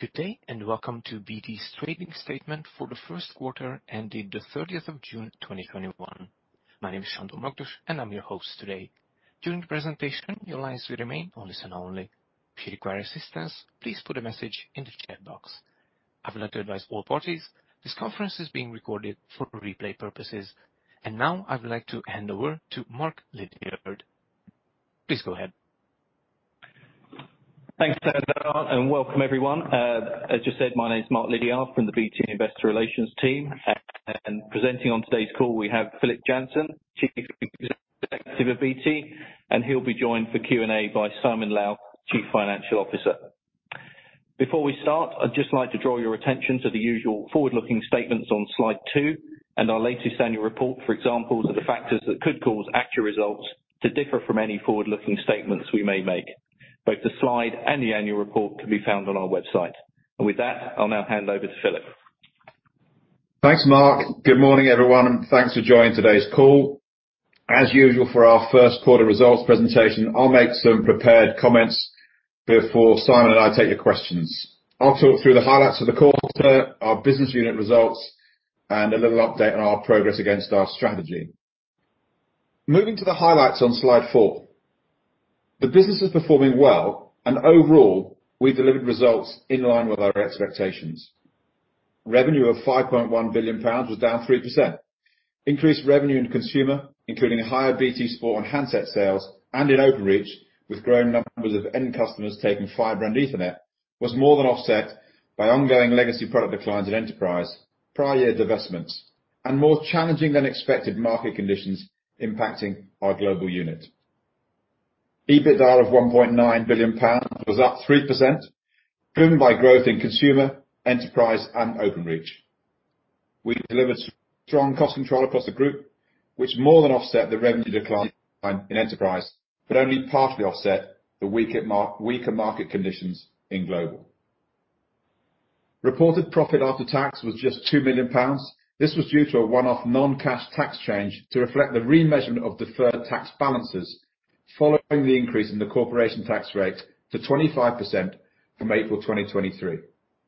Good day, and welcome to BT's Trading Statement for the Q1 ending the 30th of June 2021. My name is Shandor Mogdus, and I'm your host today. During the presentation, your lines will remain listen only. If you require assistance, please put a message in the chat box. I would like to advise all parties, this conference is being recorded for replay purposes. Now I would like to hand over to Mark Lidiard. Please go ahead. Thanks, Shandor. Welcome everyone. As just said, my name's Mark Lidiard from the BT Investor Relations team. Presenting on today's call, we have Philip Jansen, Chief Executive of BT. He'll be joined for Q&A by Simon Lowth, Chief Financial Officer. Before we start, I'd just like to draw your attention to the usual forward-looking statements on slide 2 and our latest annual report, for example, to the factors that could cause actual results to differ from any forward-looking statements we may make. Both the slide and the annual report can be found on our website. With that, I'll now hand over to Philip. Thanks, Mark. Good morning, everyone. Thanks for joining today's call. As usual for our Q1 results presentation, I'll make some prepared comments before Simon and I take your questions. I'll talk through the highlights of the quarter, our business unit results, and a little update on our progress against our strategy. Moving to the highlights on slide 4. The business is performing well, and overall, we've delivered results in line with our expectations. Revenue of 5.1 billion pounds was down 3%. Increased revenue in Consumer, including higher BT Sport on handset sales and in Openreach, with growing numbers of end customers taking fiber and Ethernet, was more than offset by ongoing legacy product declines in Enterprise, prior year divestments, and more challenging than expected market conditions impacting our Global unit. EBITDA of 1.9 billion pounds was up 3%, driven by growth in Consumer, Enterprise, and Openreach. We delivered strong cost control across the group, which more than offset the revenue decline in Enterprise, only partly offset the weaker market conditions in Global. Reported profit after tax was just 2 million pounds. This was due to a one-off non-cash tax change to reflect the remeasurement of deferred tax balances following the increase in the corporation tax rate to 25% from April 2023.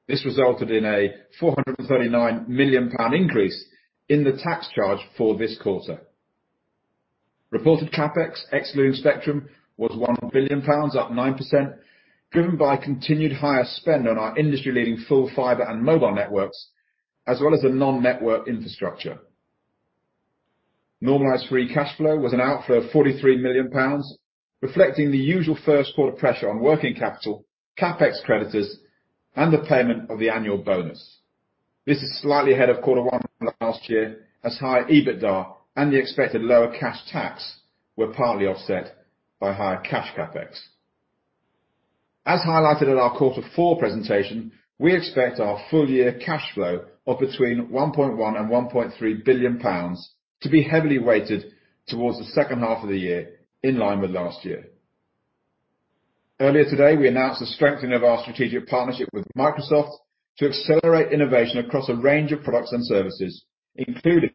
This resulted in a 439 million pound increase in the tax charge for this quarter. Reported CapEx, excluding spectrum, was 1 billion pounds, up 9%, driven by continued higher spend on our industry-leading full fiber and mobile networks, as well as the non-network infrastructure. Normalized free cash flow was an outflow of 43 million pounds, reflecting the usual Q1 pressure on working capital, CapEx creditors, and the payment of the annual bonus. This is slightly ahead of Q1 from last year, as higher EBITDA and the expected lower cash tax were partly offset by higher cash CapEx. As highlighted at our Q4 presentation, we expect our full year cash flow of between 1.1 billion and 1.3 billion pounds to be heavily weighted towards the second half of the year, in line with last year. Earlier today, we announced the strengthening of our strategic partnership with Microsoft to accelerate innovation across a range of products and services, including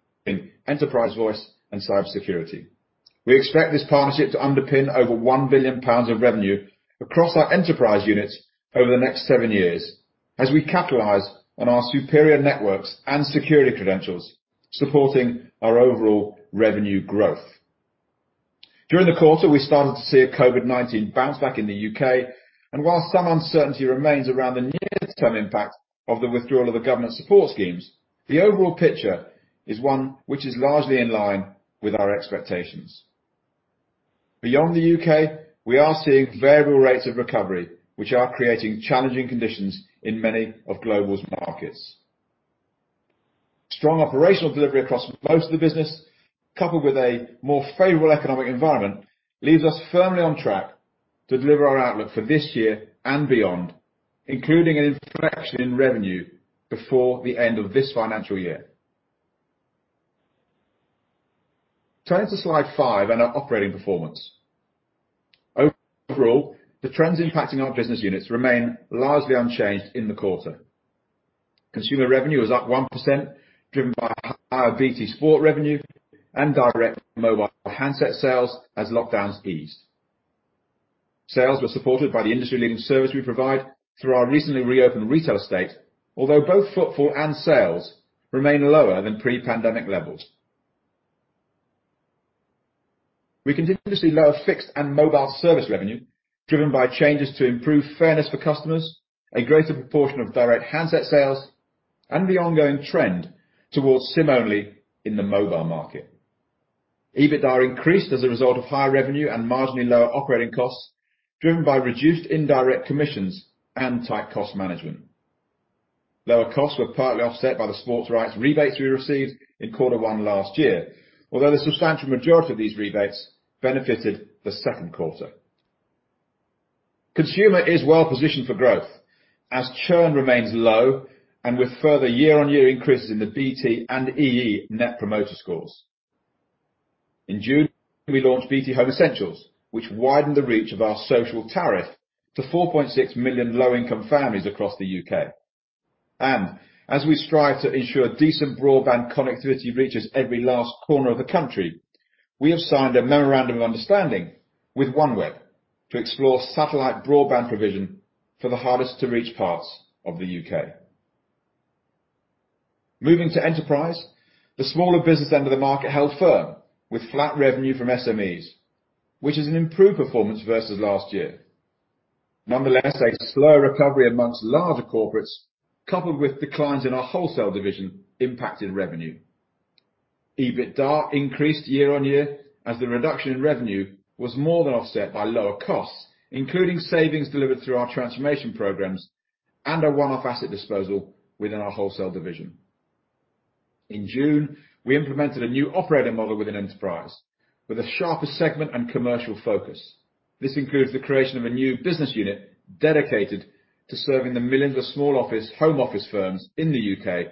Enterprise Voice and Cybersecurity. We expect this partnership to underpin over 1 billion pounds of revenue across our enterprise units over the next seven years, as we capitalize on our superior networks and security credentials supporting our overall revenue growth. During the quarter, we started to see a COVID-19 bounce back in the U.K., and while some uncertainty remains around the near-term impact of the withdrawal of the government support schemes, the overall picture is one which is largely in line with our expectations. Beyond the U.K., we are seeing variable rates of recovery, which are creating challenging conditions in many of global markets. Strong operational delivery across most of the business, coupled with a more favorable economic environment, leaves us firmly on track to deliver our outlook for this year and beyond, including an inflection in revenue before the end of this financial year. Turning to slide 5 and our operating performance. Overall, the trends impacting our business units remain largely unchanged in the quarter. Consumer revenue is up 1%, driven by higher BT Sport revenue and direct mobile handset sales as lockdowns eased. Sales were supported by the industry-leading service we provide through our recently reopened retail estate, although both footfall and sales remain lower than pre-pandemic levels. We continue to see lower fixed and mobile service revenue, driven by changes to improve fairness for customers, a greater proportion of direct handset sales, and the ongoing trend towards SIM-only in the mobile market. EBITDA increased as a result of higher revenue and marginally lower operating costs, driven by reduced indirect commissions and tight cost management. Lower costs were partly offset by the sports rights rebates we received in Q1 last year, although the substantial majority of these rebates benefited the Q2. Consumer is well positioned for growth as churn remains low and with further year-on-year increases in the BT and EE Net Promoter Scores. In June, we launched BT Home Essentials, which widened the reach of our social tariff to 4.6 million low-income families across the U.K. As we strive to ensure decent broadband connectivity reaches every last corner of the country, we have signed a memorandum of understanding with OneWeb to explore satellite broadband provision for the hardest to reach parts of the U.K. Moving to enterprise, the smaller business end of the market held firm, with flat revenue from SMEs, which is an improved performance versus last year. Nonetheless, a slow recovery amongst larger corporates, coupled with declines in our wholesale division impacted revenue. EBITDA increased year-on-year as the reduction in revenue was more than offset by lower costs, including savings delivered through our transformation programs and a one-off asset disposal within our wholesale division. In June, we implemented a new operating model within Enterprise, with a sharper segment and commercial focus. This includes the creation of a new business unit dedicated to serving the millions of small office, home office firms in the U.K.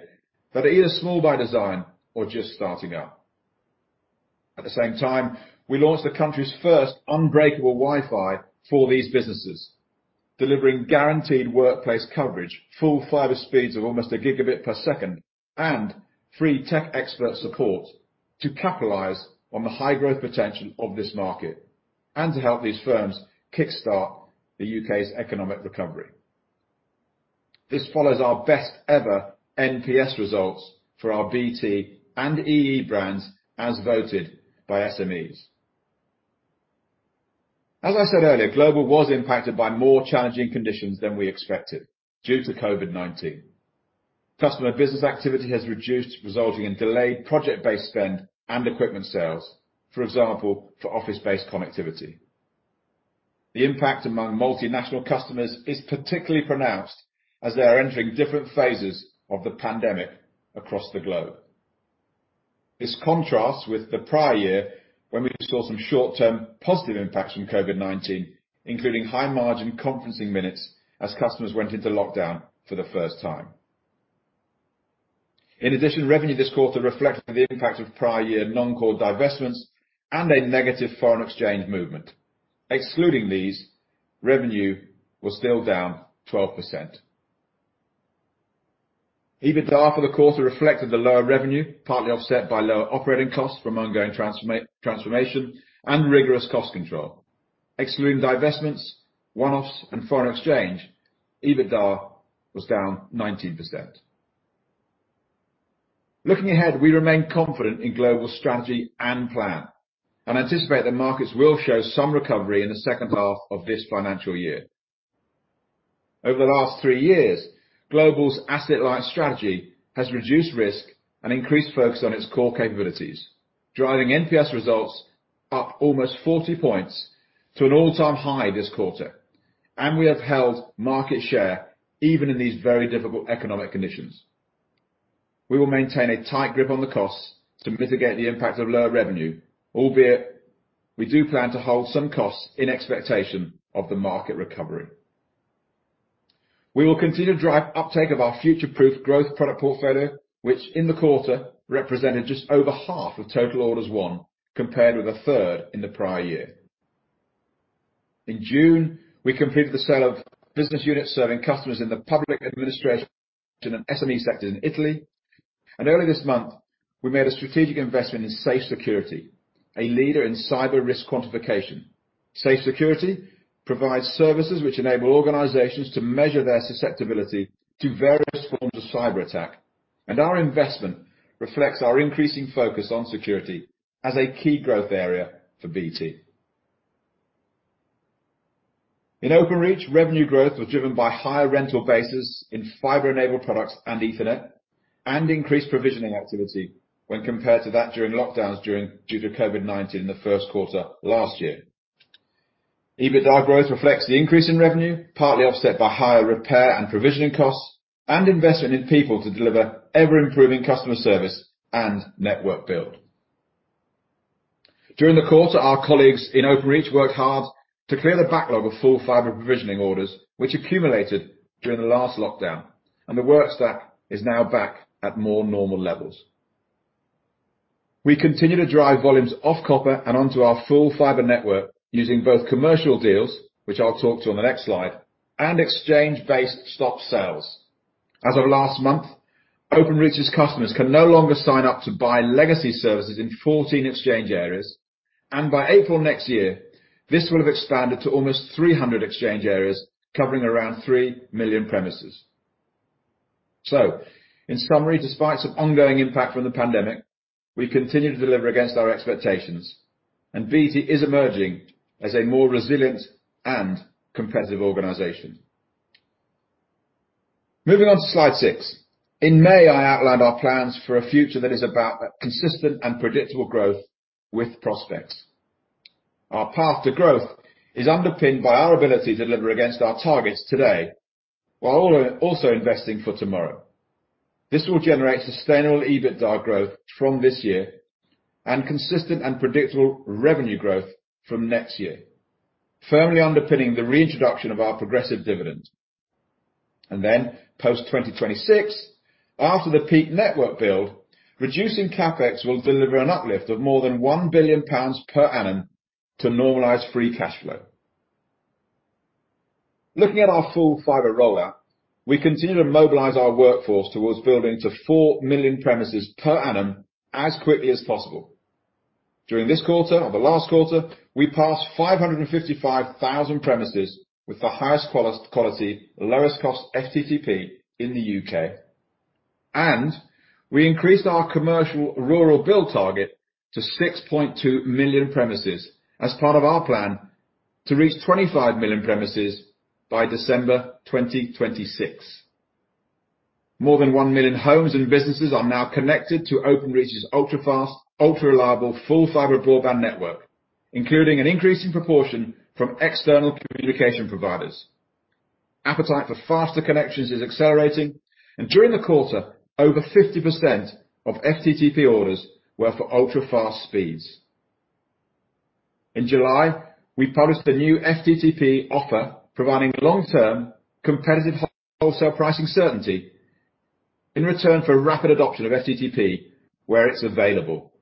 that are either small by design or just starting out. At the same time, we launched the country's first unbreakable Wi-Fi for these businesses, delivering guaranteed workplace coverage, full fiber speeds of almost a 1 Gbps, and free tech expert support to capitalize on the high growth potential of this market and to help these firms kickstart the U.K.'s economic recovery. This follows our best ever NPS results for our BT and EE brands as voted by SMEs. As I said earlier, global was impacted by more challenging conditions than we expected due to COVID-19. Customer business activity has reduced, resulting in delayed project-based spend and equipment sales, for example, for office-based connectivity. The impact among multinational customers is particularly pronounced as they are entering different phases of the pandemic across the globe. This contrasts with the prior year, when we saw some short-term positive impacts from COVID-19, including high margin conferencing minutes as customers went into lockdown for the first time. In addition, revenue this quarter reflected the impact of prior year non-core divestments and a negative foreign exchange movement. Excluding these, revenue was still down 12%. EBITDA for the quarter reflected the lower revenue, partly offset by lower operating costs from ongoing transformation and rigorous cost control. Excluding divestments, one-offs, and foreign exchange, EBITDA was down 19%. Looking ahead, we remain confident in global strategy and plan and anticipate that markets will show some recovery in the second half of this financial year. Over the last three years, global's asset-light strategy has reduced risk and increased focus on its core capabilities, driving NPS results up almost 40 points to an all-time high this quarter, and we have held market share even in these very difficult economic conditions. We will maintain a tight grip on the costs to mitigate the impact of lower revenue, albeit we do plan to hold some costs in expectation of the market recovery. We will continue to drive uptake of our future-proof growth product portfolio, which in the quarter represented just over half of total orders won, compared with a third in the prior year. In June, we completed the sale of business units serving customers in the public administration and SME sectors in Italy. Early this month, we made a strategic investment in Safe Security, a leader in cyber risk quantification. Safe Security provides services which enable organizations to measure their susceptibility to various forms of cyberattack. Our investment reflects our increasing focus on security as a key growth area for BT. In Openreach, revenue growth was driven by higher rental bases in fiber-enabled products and Ethernet and increased provisioning activity when compared to that during lockdowns due to COVID-19 in the Q1 last year. EBITDA growth reflects the increase in revenue, partly offset by higher repair and provisioning costs and investment in people to deliver ever-improving customer service and network build. During the quarter, our colleagues in Openreach worked hard to clear the backlog of full fiber provisioning orders, which accumulated during the last lockdown, and the work stack is now back at more normal levels. We continue to drive volumes off copper and onto our full fiber network using both commercial deals, which I'll talk to on the next slide, and exchange-based stop sales. As of last month, Openreach's customers can no longer sign up to buy legacy services in 14 exchange areas, and by April next year, this will have expanded to almost 300 exchange areas covering around 3 million premises. In summary, despite some ongoing impact from the pandemic, we continue to deliver against our expectations, and BT is emerging as a more resilient and competitive organization. Moving on to slide 6. In May, I outlined our plans for a future that is about consistent and predictable growth with prospects. Our path to growth is underpinned by our ability to deliver against our targets today while also investing for tomorrow. This will generate sustainable EBITDA growth from this year and consistent and predictable revenue growth from next year, firmly underpinning the reintroduction of our progressive dividend. Post 2026, after the peak network build, reducing CapEx will deliver an uplift of more than 1 billion pounds per annum to normalize free cash flow. Looking at our full fiber rollout, we continue to mobilize our workforce towards building to 4 million premises per annum as quickly as possible. During this quarter or the last quarter, we passed 555,000 premises with the highest quality, lowest cost FTTP in the U.K. We increased our commercial rural build target to 6.2 million premises as part of our plan to reach 25 million premises by December 2026. More than 1 million homes and businesses are now connected to Openreach's ultra-fast, ultra-reliable, full fiber broadband network, including an increasing proportion from external communication providers. Appetite for faster connections is accelerating, and during the quarter, over 50% of FTTP orders were for ultra-fast speeds. In July, we published a new FTTP offer providing long-term competitive wholesale pricing certainty in return for rapid adoption of FTTP where it's available.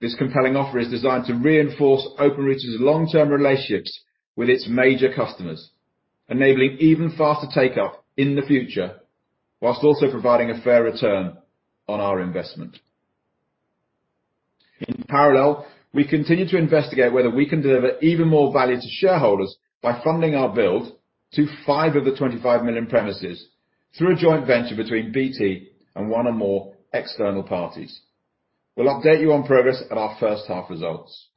This compelling offer is designed to reinforce Openreach's long-term relationships with its major customers, enabling even faster take-up in the future, whilst also providing a fair return on our investment. In parallel, we continue to investigate whether we can deliver even more value to shareholders by funding our build to 5 of the 25 million premises through a joint venture between BT and one or more external parties. We'll update you on progress at our first half results.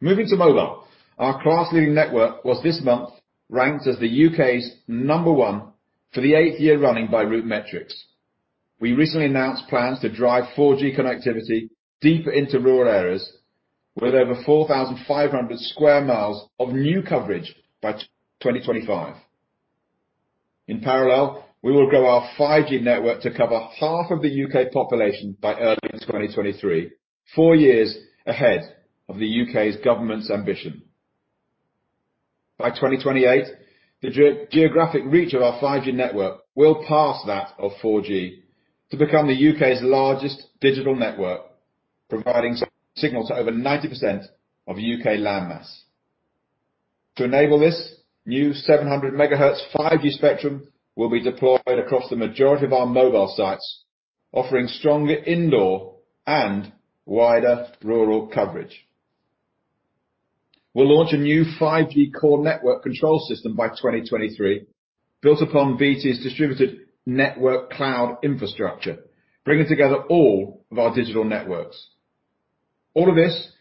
Moving to mobile, our class-leading network was this month ranked as the U.K.'s number 1 for the eighth year running by RootMetrics. We recently announced plans to drive 4G connectivity deeper into rural areas with over 4,500 sq mi of new coverage by 2025. In parallel, we will grow our 5G network to cover half of the U.K. population by early 2023, four years ahead of the U.K.'s government's ambition. By 2028, the geographic reach of our 5G network will pass that of 4G to become the U.K.'s largest digital network, providing signal to over 90% of U.K. landmass. To enable this, new 700 MHz 5G spectrum will be deployed across the majority of our mobile sites, offering stronger indoor and wider rural coverage. We'll launch a new 5G core network control system by 2023, built upon BT's distributed network cloud infrastructure, bringing together all of our digital networks. All of this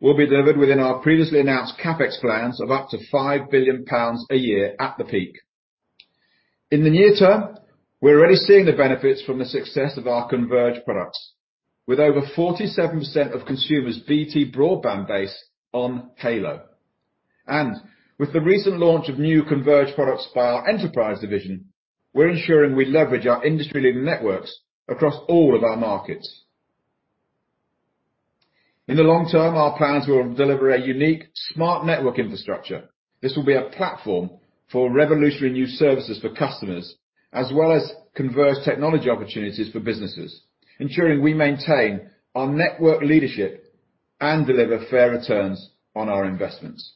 will be delivered within our previously announced CapEx plans of up to 5 billion pounds a year at the peak. In the near term, we're already seeing the benefits from the success of our converged products, with over 47% of Consumer's BT broadband base on Halo. With the recent launch of new converged products by our Enterprise division, we're ensuring we leverage our industry-leading networks across all of our markets. In the long term, our plans will deliver a unique smart network infrastructure. This will be a platform for revolutionary new services for customers, as well as converged technology opportunities for businesses, ensuring we maintain our network leadership and deliver fair returns on our investments.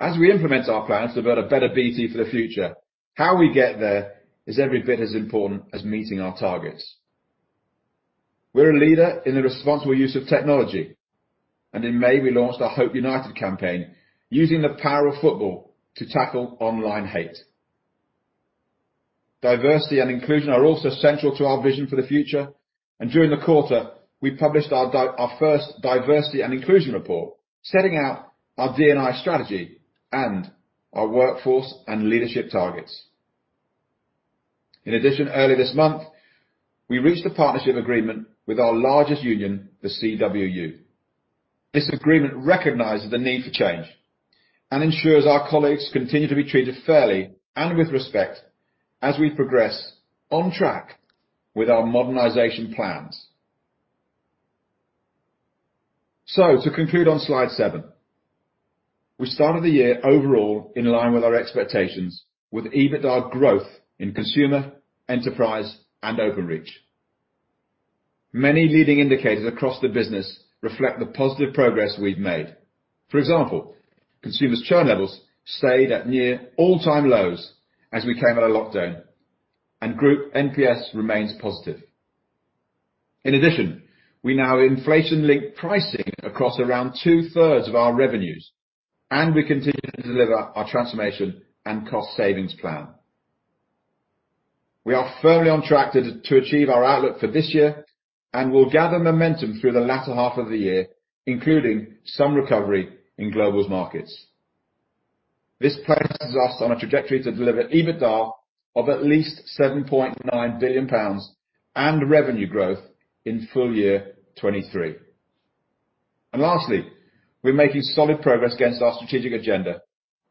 As we implement our plans to build a better BT for the future, how we get there is every bit as important as meeting our targets. We're a leader in the responsible use of technology, in May, we launched our Hope United campaign using the power of football to tackle online hate. Diversity and inclusion are also central to our vision for the future, and during the quarter, we published our first diversity and inclusion report, setting out our D&I strategy and our workforce and leadership targets. In addition, earlier this month, we reached a partnership agreement with our largest union, the CWU. This agreement recognizes the need for change and ensures our colleagues continue to be treated fairly and with respect as we progress on track with our modernization plans. To conclude on slide 7, we started the year overall in line with our expectations with EBITDA growth in Consumer, Enterprise, and Openreach. Many leading indicators across the business reflect the positive progress we've made. For example, consumers' churn levels stayed at near all-time lows as we came out of lockdown, and group NPS remains positive. In addition, we now have inflation-linked pricing across around two-thirds of our revenues, and we continue to deliver our transformation and cost savings plan. We are firmly on track to achieve our outlook for this year, and will gather momentum through the latter half of the year, including some recovery in Global's markets. This places us on a trajectory to deliver EBITDA of at least 7.9 billion pounds and revenue growth in full year 2023. Lastly, we're making solid progress against our strategic agenda,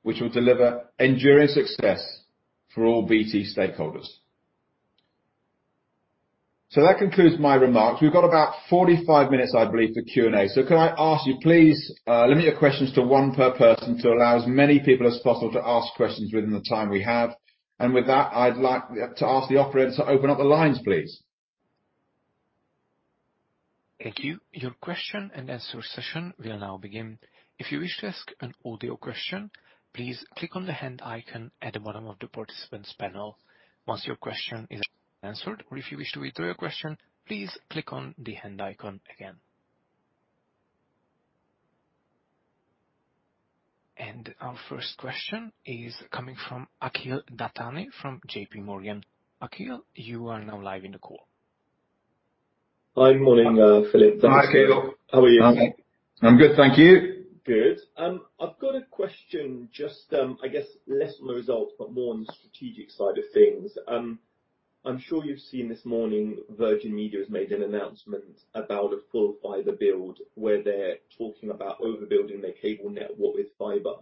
which will deliver enduring success for all BT stakeholders. That concludes my remarks. We've got about 45 minutes, I believe, for Q&A. Could I ask you, please, limit your questions to one per person to allow as many people as possible to ask questions within the time we have. With that, I'd like to ask the operator to open up the lines, please. Our first question is coming from Akhil Dattani from JPMorgan. Akhil, you are now live in the call. Hi, morning, Philip. Hi, Akhil. How are you? I'm good, thank you. Good. I've got a question, I guess, less on the results, but more on the strategic side of things. I'm sure you've seen this morning, Virgin Media has made an announcement about a full fiber build where they're talking about overbuilding their cable network with fiber.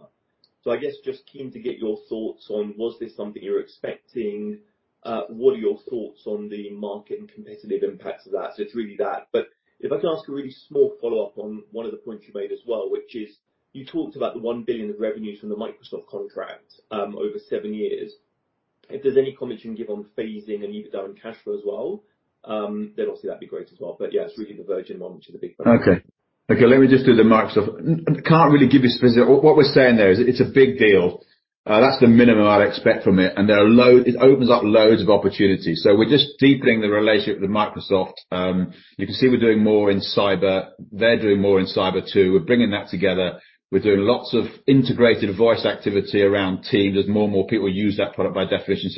I guess, just keen to get your thoughts on, was this something you were expecting? What are your thoughts on the market and competitive impacts of that? It's really that. If I can ask a really small follow-up on one of the points you made as well, which is, you talked about the 1 billion of revenues from the Microsoft contract, over seven years. If there's any comment you can give on phasing and EBITDA and cash flow as well, obviously that'd be great as well. It's really the Virgin one which is a big one. Let me just do the Microsoft. Can't really give you specifics. What we're saying there is it's a big deal. That's the minimum I'd expect from it, and it opens up loads of opportunities. We're just deepening the relationship with Microsoft. You can see we're doing more in cyber. They're doing more in cyber too. We're bringing that together. We're doing lots of integrated voice activity around Teams, as more and more people use that product by definition.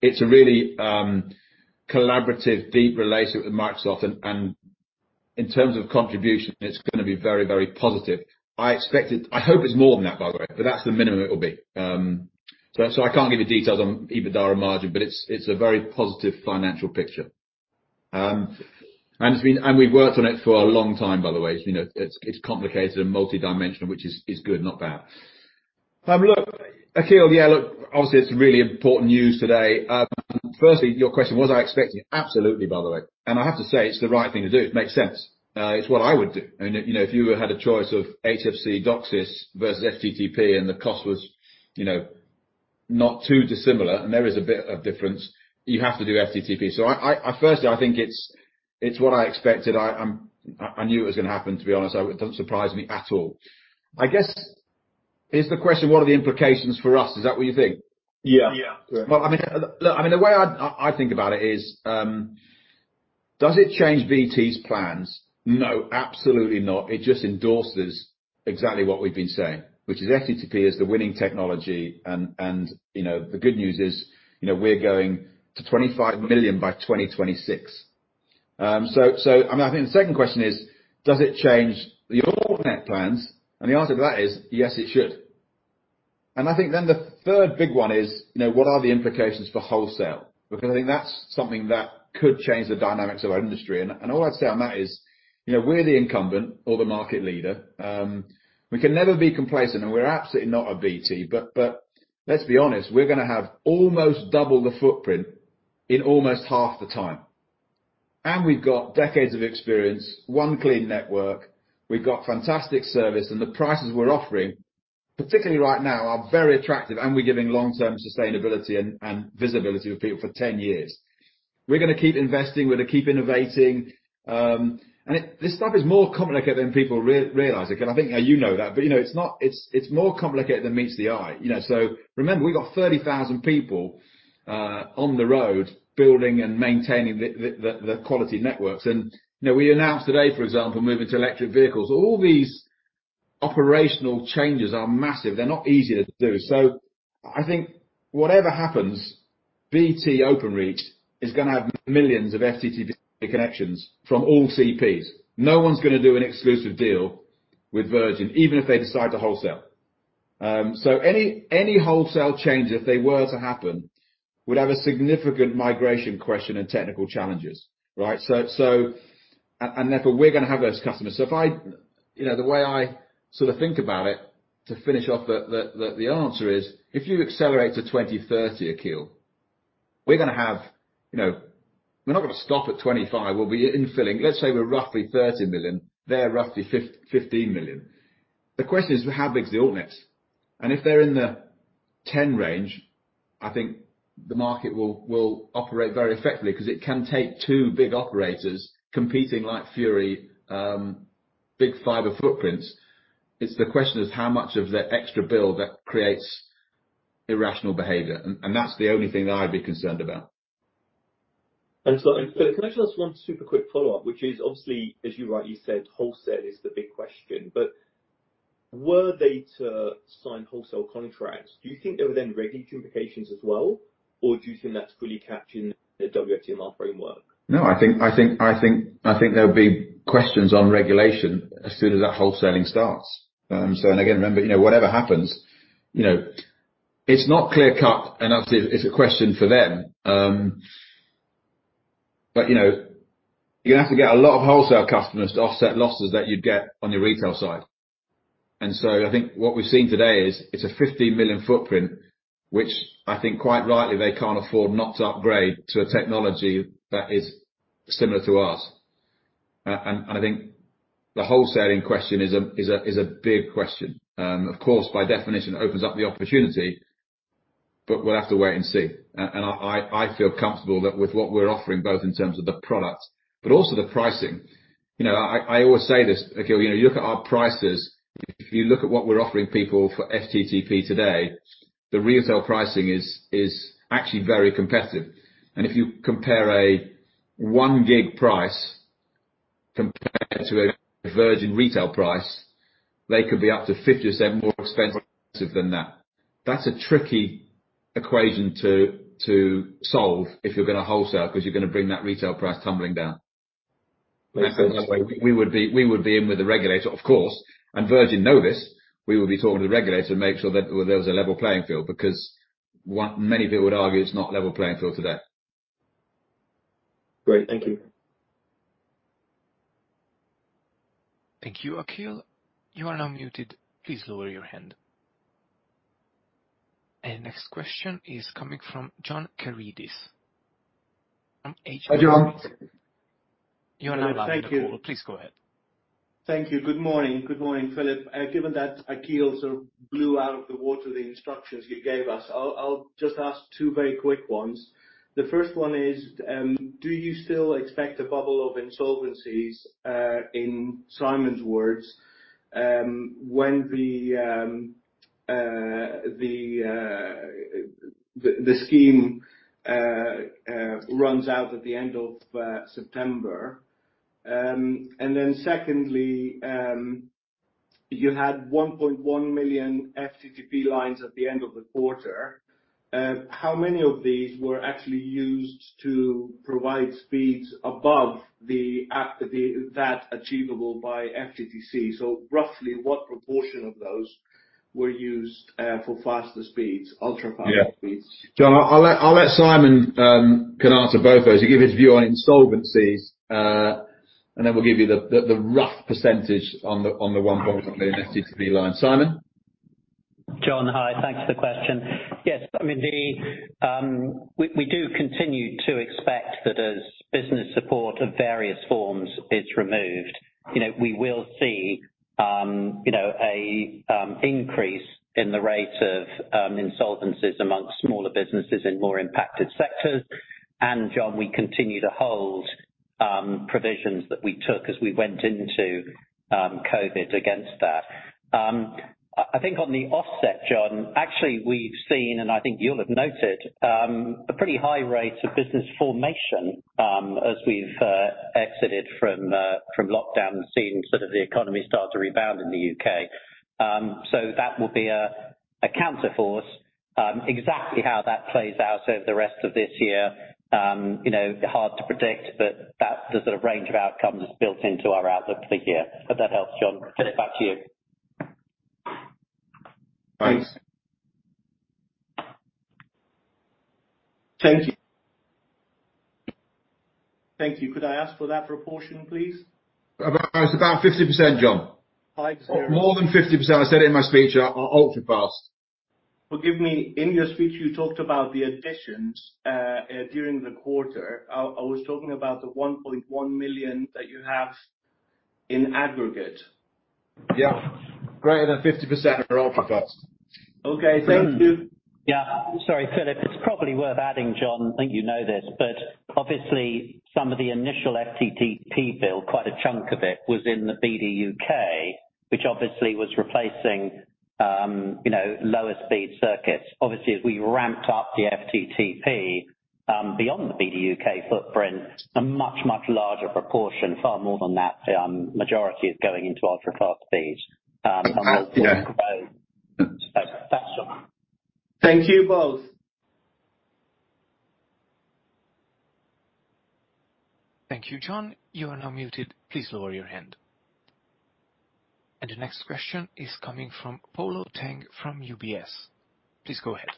It's a really collaborative, deep relationship with Microsoft, and in terms of contribution, it's going to be very positive. I hope it's more than that, by the way, but that's the minimum it will be. I can't give you details on EBITDA margin, but it's a very positive financial picture. We've worked on it for a long time, by the way. It's complicated and multi-dimensional, which is good, not bad. Look, Akhil, obviously, it's really important news today. Firstly, your question, was I expecting it? Absolutely, by the way. I have to say, it's the right thing to do. It makes sense. It's what I would do. If you had a choice of HFC DOCSIS versus FTTP and the cost was not too dissimilar, and there is a bit of difference, you have to do FTTP. Firstly, I think it's what I expected. I knew it was going to happen, to be honest. It doesn't surprise me at all. I guess is the question, what are the implications for us? Is that what you think? Yeah. Well, look, the way I think about it is, does it change BT's plans? No, absolutely not. It just endorses exactly what we've been saying, which is FTTP is the winning technology and the good news is we're going to 25 million by 2026. I think the second question is, does it change the Altnets plans? The answer to that is, yes, it should. I think then the third big one is, what are the implications for wholesale? Because I think that's something that could change the dynamics of our industry. All I'd say on that is, we're the incumbent or the market leader. We can never be complacent, and we're absolutely not at BT, but let's be honest, we're gonna have almost double the footprint in almost half the time. We've got decades of experience, one clean network. We've got fantastic service, the prices we're offering, particularly right now, are very attractive, and we're giving long-term sustainability and visibility to people for 10 years. We're gonna keep investing, we're gonna keep innovating. This stuff is more complicated than people realize. I think you know that, but it's more complicated than meets the eye. Remember, we've got 30,000 people on the road building and maintaining the quality networks. We announced today, for example, moving to electric vehicles. All these operational changes are massive. They're not easy to do. I think whatever happens, BT Openreach is gonna have millions of FTTP connections from all CPs. No one's gonna do an exclusive deal with Virgin, even if they decide to wholesale. Any wholesale changes, if they were to happen, would have a significant migration question and technical challenges, right? Therefore, we're gonna have those customers. The way I sort of think about it, to finish off the answer is, if you accelerate to 2030, Akhil, we're not gonna stop at 25 million. Let's say we're roughly 30 million, they're roughly 15 million. The question is, how big is the Altnets? If they're in the 10 range, I think the market will operate very effectively because it can take two big operators competing like fury, big fiber footprints. It's the question is how much of their extra bill that creates irrational behavior. That's the only thing that I'd be concerned about. Philip, can I just ask one super quick follow-up, which is obviously, as you rightly said, wholesale is the big question. Were they to sign wholesale contracts, do you think there were then regulatory implications as well? Do you think that's fully captured in the WFTMR framework? I think there'll be questions on regulation as soon as that wholesaling starts. Again, remember, whatever happens, it's not clear-cut, and it's a question for them. You're gonna have to get a lot of wholesale customers to offset losses that you'd get on your retail side. I think what we've seen today is it's a 15 million footprint, which I think quite rightly, they can't afford not to upgrade to a technology that is similar to ours. I think the wholesaling question is a big question. Of course, by definition, it opens up the opportunity. We'll have to wait and see. I feel comfortable that with what we're offering, both in terms of the product but also the pricing, I always say this, Akhil, you look at our prices. If you look at what we're offering people for FTTP today, the retail pricing is actually very competitive. If you compare a 1 Gbps price compared to a Virgin retail price, they could be up to 50% or more expensive than that. That's a tricky equation to solve if you're going to wholesale because you're going to bring that retail price tumbling down. Makes sense. We would be in with the regulator, of course. Virgin know this. We would be talking to the regulator to make sure that there was a level playing field, because many people would argue it's not a level playing field today. Great. Thank you. Thank you, Akhil. You are now muted. Please lower your hand. Next question is coming from John Karidis from Numis Securities. Hi, John. Thank you. Good morning. Good morning, Philip. Given that Akhil sort of blew out of the water the instructions you gave us, I'll just ask two very quick ones. The first one is, do you still expect a bubble of insolvencies, in Simon's words, when the scheme runs out at the end of September? Secondly, you had 1.1 million FTTP lines at the end of the quarter. How many of these were actually used to provide speeds above that achievable by FTTC? Roughly what proportion of those were used for faster speeds, ultra-fast speeds? Yeah. John, I'll let Simon answer both those. He'll give his view on insolvencies, and then we'll give you the rough percentage on the 1.1 million FTTP lines. Simon? John, Hi. Thanks for the question. Yes, we do continue to expect that as business support of various forms is removed, we will see an increase in the rate of insolvencies amongst smaller businesses in more impacted sectors. John, we continue to hold provisions that we took as we went into COVID against that. I think on the offset, John, actually we've seen, and I think you'll have noted, a pretty high rate of business formation as we've exited from lockdown and seen sort of the economy start to rebound in the U.K. That will be a counterforce. Exactly how that plays out over the rest of this year, hard to predict, but that sort of range of outcomes is built into our outlook for the year. Hope that helps, John. Philip, back to you. Thanks. Thank you. Could I ask for that proportion, please? It's about 50%, John. More than 50%. I said it in my speech, are ultra-fast. Forgive me. In your speech, you talked about the additions during the quarter. I was talking about the 1.1 million that you have in aggregate. Yeah. Greater than 50% are ultra-fast. Okay. Thank you. Yeah. Sorry, Philip. It's probably worth adding, John, I think you know this, but obviously some of the initial FTTP build, quite a chunk of it was in the BDUK, which obviously was replacing lower speed circuits. Obviously, as we ramped up the FTTP beyond the BDUK footprint, a much, much larger proportion, far more than that majority is going into ultra-fast speeds. Yeah. That's John. Thank you both. Thank you, John. You are now muted. Please lower your hand. The next question is coming from Polo Tang from UBS. Please go ahead.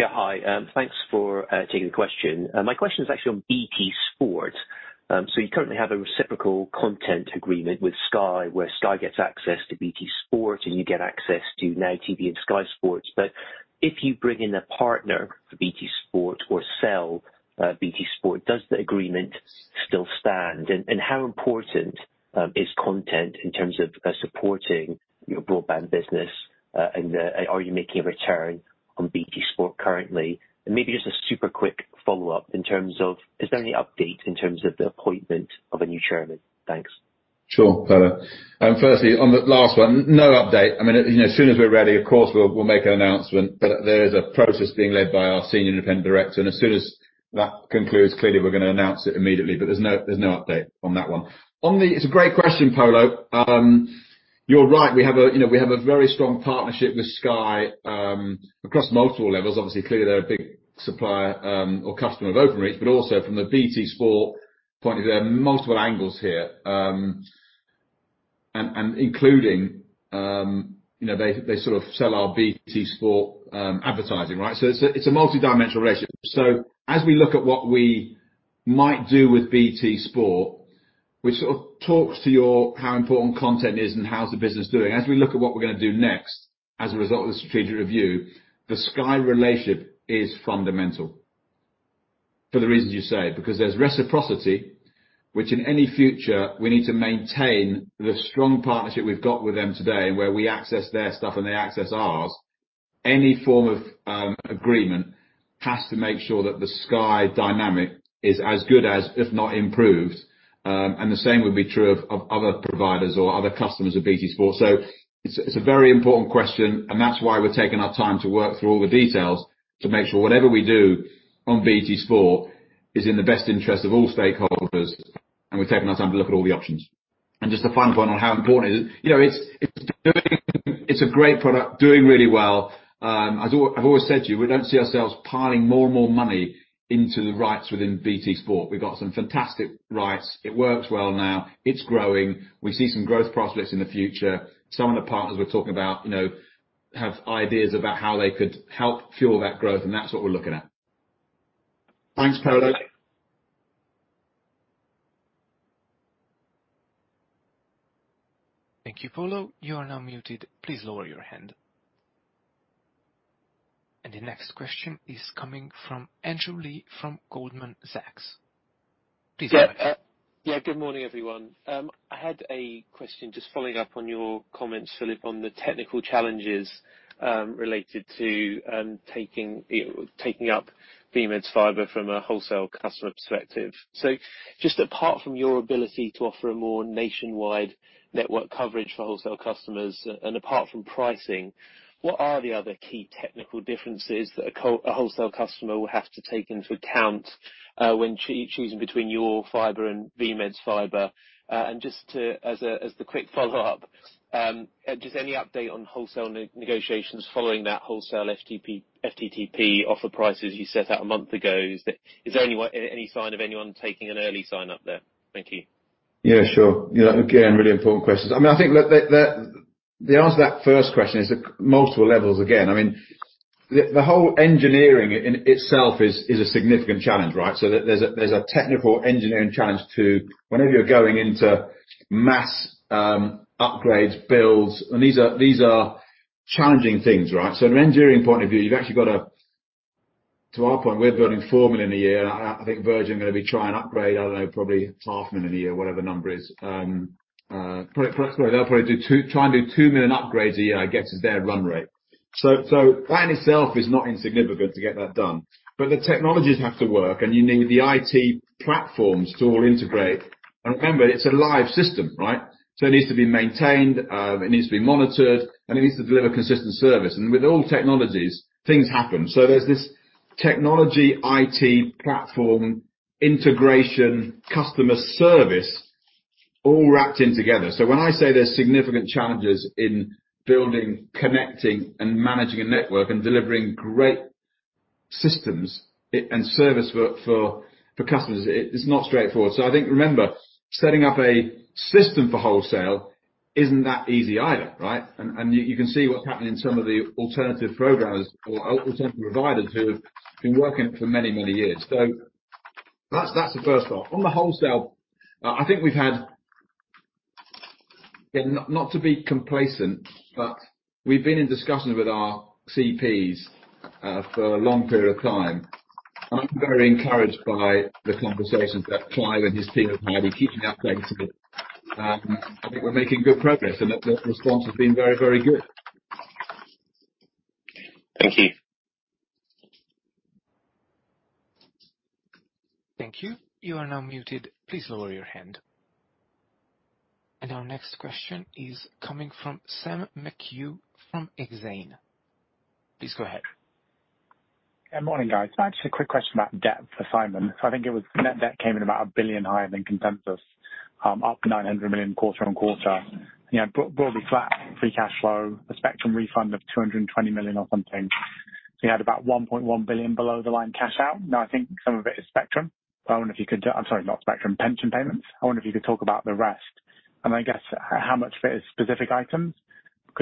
Hi. Thanks for taking the question. My question is actually on BT Sport. You currently have a reciprocal content agreement with Sky, where Sky gets access to BT Sport and you get access to Now and Sky Sports. If you bring in a partner for BT Sport or sell BT Sport, does the agreement still stand? How important is content in terms of supporting your broadband business? Are you making a return on BT Sport currently? Maybe just a super quick follow-up in terms of, is there any update in terms of the appointment of a new chairman? Thanks. Sure, Polo. Firstly, on the last one, no update. As soon as we're ready, of course we'll make an announcement. There is a process being led by our senior independent director, and as soon as that concludes, clearly we're going to announce it immediately. There's no update on that one. It's a great question, Polo. You're right, we have a very strong partnership with Sky across multiple levels. Clearly they're a big supplier or customer of Openreach. Also from the BT Sport point of view, there are multiple angles here. Including, they sort of sell our BT Sport advertising, right? It's a multidimensional relationship. As we look at what we might do with BT Sport, which sort of talks to your how important content is and how's the business doing, as we look at what we're going to do next as a result of the strategic review, the Sky relationship is fundamental. For the reasons you say, because there's reciprocity, which in any future, we need to maintain the strong partnership we've got with them today, and where we access their stuff and they access ours. Any form of agreement has to make sure that the Sky dynamic is as good as, if not improved. The same would be true of other providers or other customers of BT Sport. It's a very important question, and that's why we're taking our time to work through all the details, to make sure whatever we do on BT Sport is in the best interest of all stakeholders, and we're taking our time to look at all the options. Just a final point on how important it is. It's a great product, doing really well. I've always said to you, we don't see ourselves piling more and more money into the rights within BT Sport. We've got some fantastic rights. It works well now. It's growing. We see some growth prospects in the future. Some of the partners we're talking about have ideas about how they could help fuel that growth, and that's what we're looking at. Thanks, Polo. Thank you, Polo. The next question is coming from Andrew Lee from Goldman Sachs. Please go ahead. Good morning, everyone. I had a question just following up on your comments, Philip, on the technical challenges, related to taking up Virgin Media's fiber from a wholesale customer perspective. Just apart from your ability to offer a more nationwide network coverage for wholesale customers, and apart from pricing, what are the other key technical differences that a wholesale customer will have to take into account, when choosing between your fiber and Virgin Media's fiber? Just as the quick follow-up, just any update on wholesale negotiations following that wholesale FTTP offer prices you set out a month ago. Is there any sign of anyone taking an early sign-up there? Thank you. Yeah, sure. Again, really important questions. I think the answer to that first question is multiple levels again. The whole engineering in itself is a significant challenge, right? There's a technical engineering challenge to whenever you're going into mass upgrades, builds, and these are challenging things, right? From an engineering point of view, you've actually got to To our point, we're building 4 million a year, and I think Virgin are going to be trying to upgrade, I don't know, probably to half a million a year, whatever the number is. Sorry, they'll probably try and do 2 million upgrades a year, I guess, is their run rate. That in itself is not insignificant to get that done. The technologies have to work, and you need the IT platforms to all integrate. Remember, it's a live system, right? It needs to be maintained, it needs to be monitored, and it needs to deliver consistent service. With all technologies, things happen. There's this technology IT platform integration, customer service all wrapped in together. When I say there's significant challenges in building, connecting, and managing a network and delivering great systems and service for customers, it's not straightforward. I think, remember, setting up a system for wholesale isn't that easy either, right? You can see what's happening in some of the alternative providers who have been working it for many, many years. That's the first part. On the wholesale, I think we've had Not to be complacent, but we've been in discussion with our CPs for a long period of time. I'm very encouraged by the conversations that Clive and his team have had in keeping updates. I think we're making good progress and that the response has been very, very good. Thank you. Thank you. Our next question is coming from Sam McHugh from Exane. Please go ahead. Good morning, guys. A quick question about debt for Simon. I think it was net debt came in about 1 billion higher than consensus, up 900 million quarter-on-quarter. Broadly flat free cash flow, a spectrum refund of 220 million or something. You had about 1.1 billion below the line cash out. I think some of it is spectrum. I wonder if you could, I'm sorry, not spectrum, pension payments. I wonder if you could talk about the rest. I guess how much of it is specific items.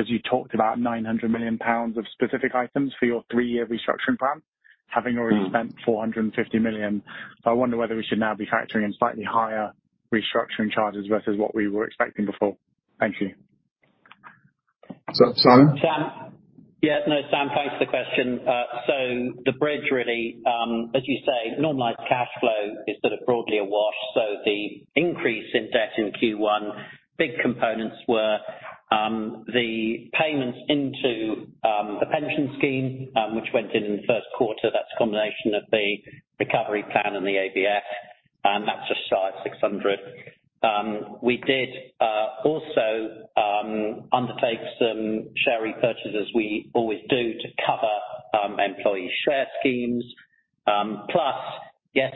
You talked about 900 million pounds of specific items for your three-year restructuring plan, having already spent 450 million. I wonder whether we should now be factoring in slightly higher restructuring charges versus what we were expecting before. Thank you. Simon? Sam, thanks for the question. The bridge really, as you say, normalized cash flow is sort of broadly a wash. The increase in debt in Q1, big components were the payments into the pension scheme, which went in in the Q1. That's a combination of the recovery plan and the ABF, and that's a size 600. We did also undertake some share repurchases we always do to cover employee share schemes. Yes,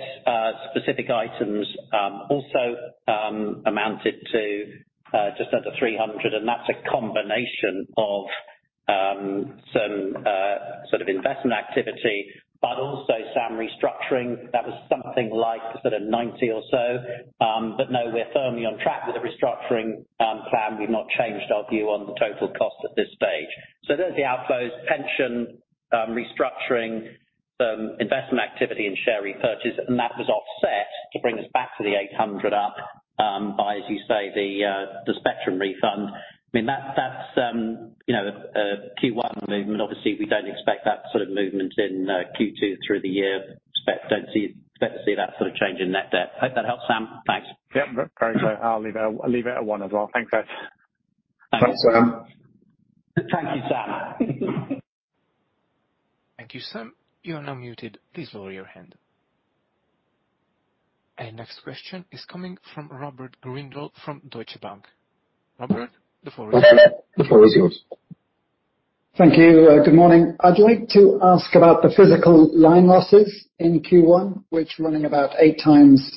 specific items also amounted to just under 300, and that's a combination of some sort of investment activity, also some restructuring that was something like sort of 90 or so. We're firmly on track with the restructuring plan. We've not changed our view on the total cost at this stage. There's the outflows, pension, restructuring, some investment activity and share repurchase. To bring us back to the 800 up by, as you say, the spectrum refund. That's a Q1 movement. Obviously, we don't expect that sort of movement in Q2 through the year. Expect to see that sort of change in net debt. Hope that helps, Sam. Thanks. Yep, great. I'll leave it at one as well. Thanks, guys. Thanks, Sam. Thank you, Sam. Thank you, Sam. Our next question is coming from Robert Grindle from Deutsche Bank. Robert, the floor is yours. Thank you. Good morning. I'd like to ask about the physical line losses in Q1, which are running about eight times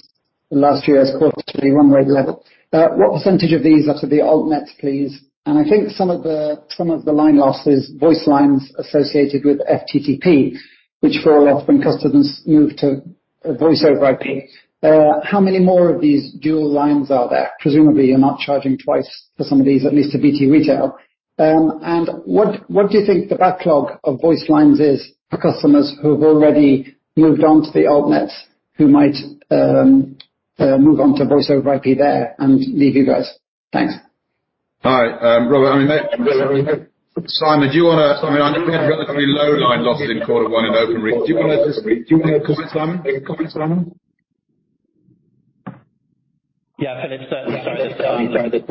the last year's quarterly run rate level. What % of these are to the alt nets, please? I think some of the line losses, voice lines associated with FTTP, which fall off when customers move to voice-over IP. How many more of these dual lines are there? Presumably, you're not charging twice for some of these, at least to BT Retail. What do you think the backlog of voice lines is for customers who've already moved on to the Altnets who might move on to voice-over IP there and leave you guys? Thanks. Hi, Robert. Simon, we had relatively low line losses in Q1 in Openreach. Do you want to comment, Simon? Yeah, Philip.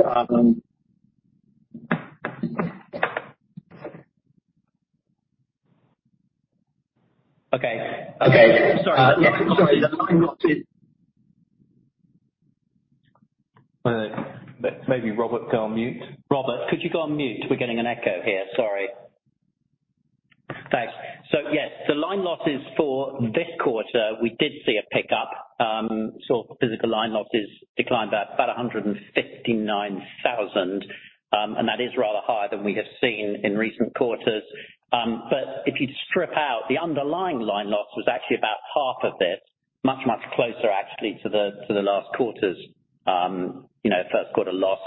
Okay. Sorry. Maybe Robert, go on mute. Robert, could you go on mute? We're getting an echo here, sorry. Thanks. Yes, the line losses for this quarter, we did see a pickup. Saw physical line losses decline about 159,000, that is rather higher than we have seen in recent quarters. If you strip out, the underlying line loss was actually about half of this, much, much closer actually to the last quarter's, you know Q1 loss.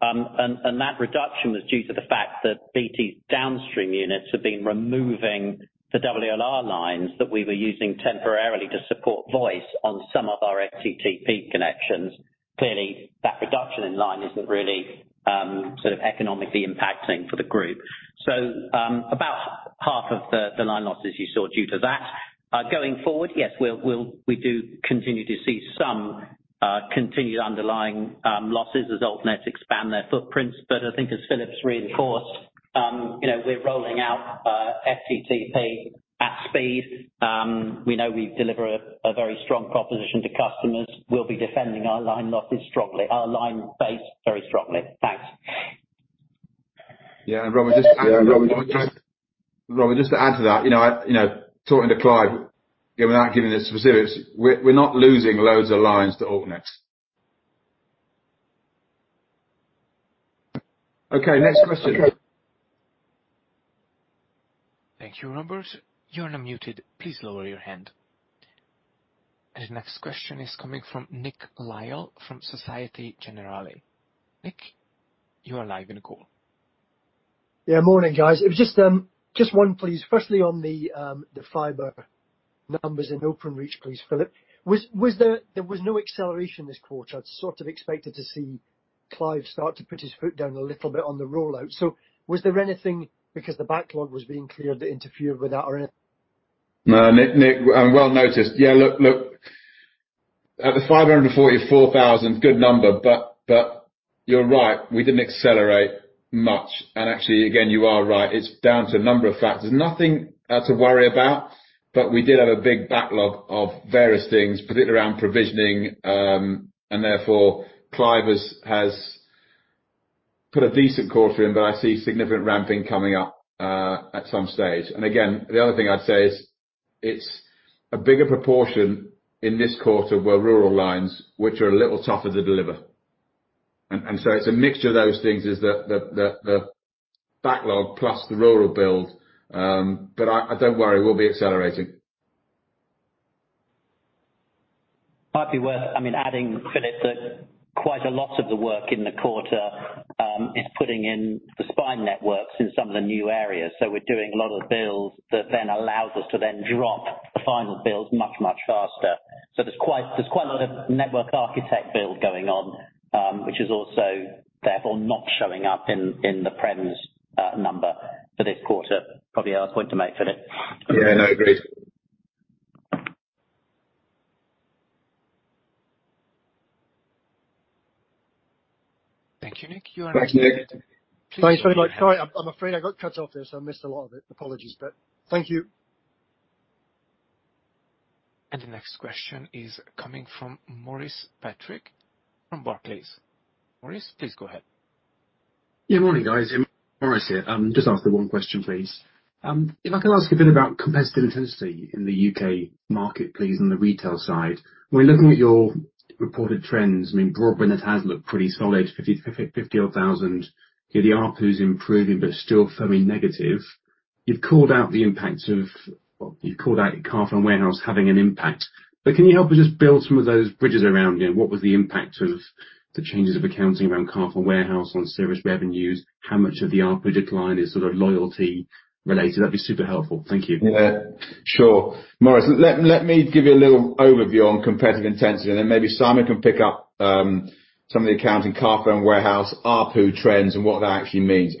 That reduction was due to the fact that BT's downstream units have been removing the WLR lines that we were using temporarily to support voice on some of our FTTP connections. Clearly, that reduction in line isn't really economically impacting for the group. About half of the line losses you saw due to that. Going forward, yes, we do continue to see some continued underlying losses as Altnets expand their footprints. I think as Philip's reinforced, we're rolling out FTTP at speed. We know we deliver a very strong proposition to customers. We'll be defending our line losses strongly, our line base very strongly. Thanks. Yeah, Robert, just to add to that, talking to Clive, without giving the specifics, we're not losing loads of lines to Altnets. Okay, next question. Thank you, Robert. You are now muted. Please lower your hand. The next question is coming from Nick Lyall from Societe Generale. Nick, you are live in the call. Morning, guys. It was just one, please. Firstly, on the fiber numbers in Openreach, please, Philip. There was no acceleration this quarter. I'd sort of expected to see Clive start to put his foot down a little bit on the rollout. Was there anything, because the backlog was being cleared, that interfered with that or anything? No, Nick. Well noticed. Look, at the 544,000, good number. You're right, we didn't accelerate much. Actually, again, you are right. It's down to a number of factors. Nothing to worry about, but we did have a big backlog of various things, particularly around provisioning, and therefore, Clive has put a decent quarter in, but I see significant ramping coming up, at some stage. Again, the other thing I'd say is it's a bigger proportion in this quarter were rural lines, which are a little tougher to deliver. So it's a mixture of those things is the backlog plus the rural build. Don't worry, we'll be accelerating. Might be worth adding, Philip, that quite a lot of the work in the quarter is putting in the spine networks in some of the new areas. We're doing a lot of builds that then allows us to then drop the final builds much, much faster. There's quite a lot of network architect build going on, which is also therefore not showing up in the premise number for this quarter. Probably a point to make, Philip. Yeah and I agree. Thanks, Nick. Sorry, mate. Sorry, I'm afraid I got cut off there, so I missed a lot of it. Apologies, but thank you. The next question is coming from Maurice Patrick from Barclays. Maurice, please go ahead. Yeah, morning, guys. Maurice here. Just want to ask one question, please. If I can ask a bit about competitive intensity in the U.K. market, please, on the retail side. When you're looking at your reported trends, broadband internet has looked pretty solid, 50,000. The ARPU's improving but still firmly negative. You've called out Carphone Warehouse having an impact, but can you help us just build some of those bridges around what was the impact of the changes of accounting around Carphone Warehouse on service revenues? How much of the ARPU decline is sort of loyalty related? That'd be super helpful. Thank you. Yeah. Sure. Maurice, let me give you a little overview on competitive intensity, and then maybe Simon can pick up some of the accounting, Carphone Warehouse, ARPU trends, and what that actually means.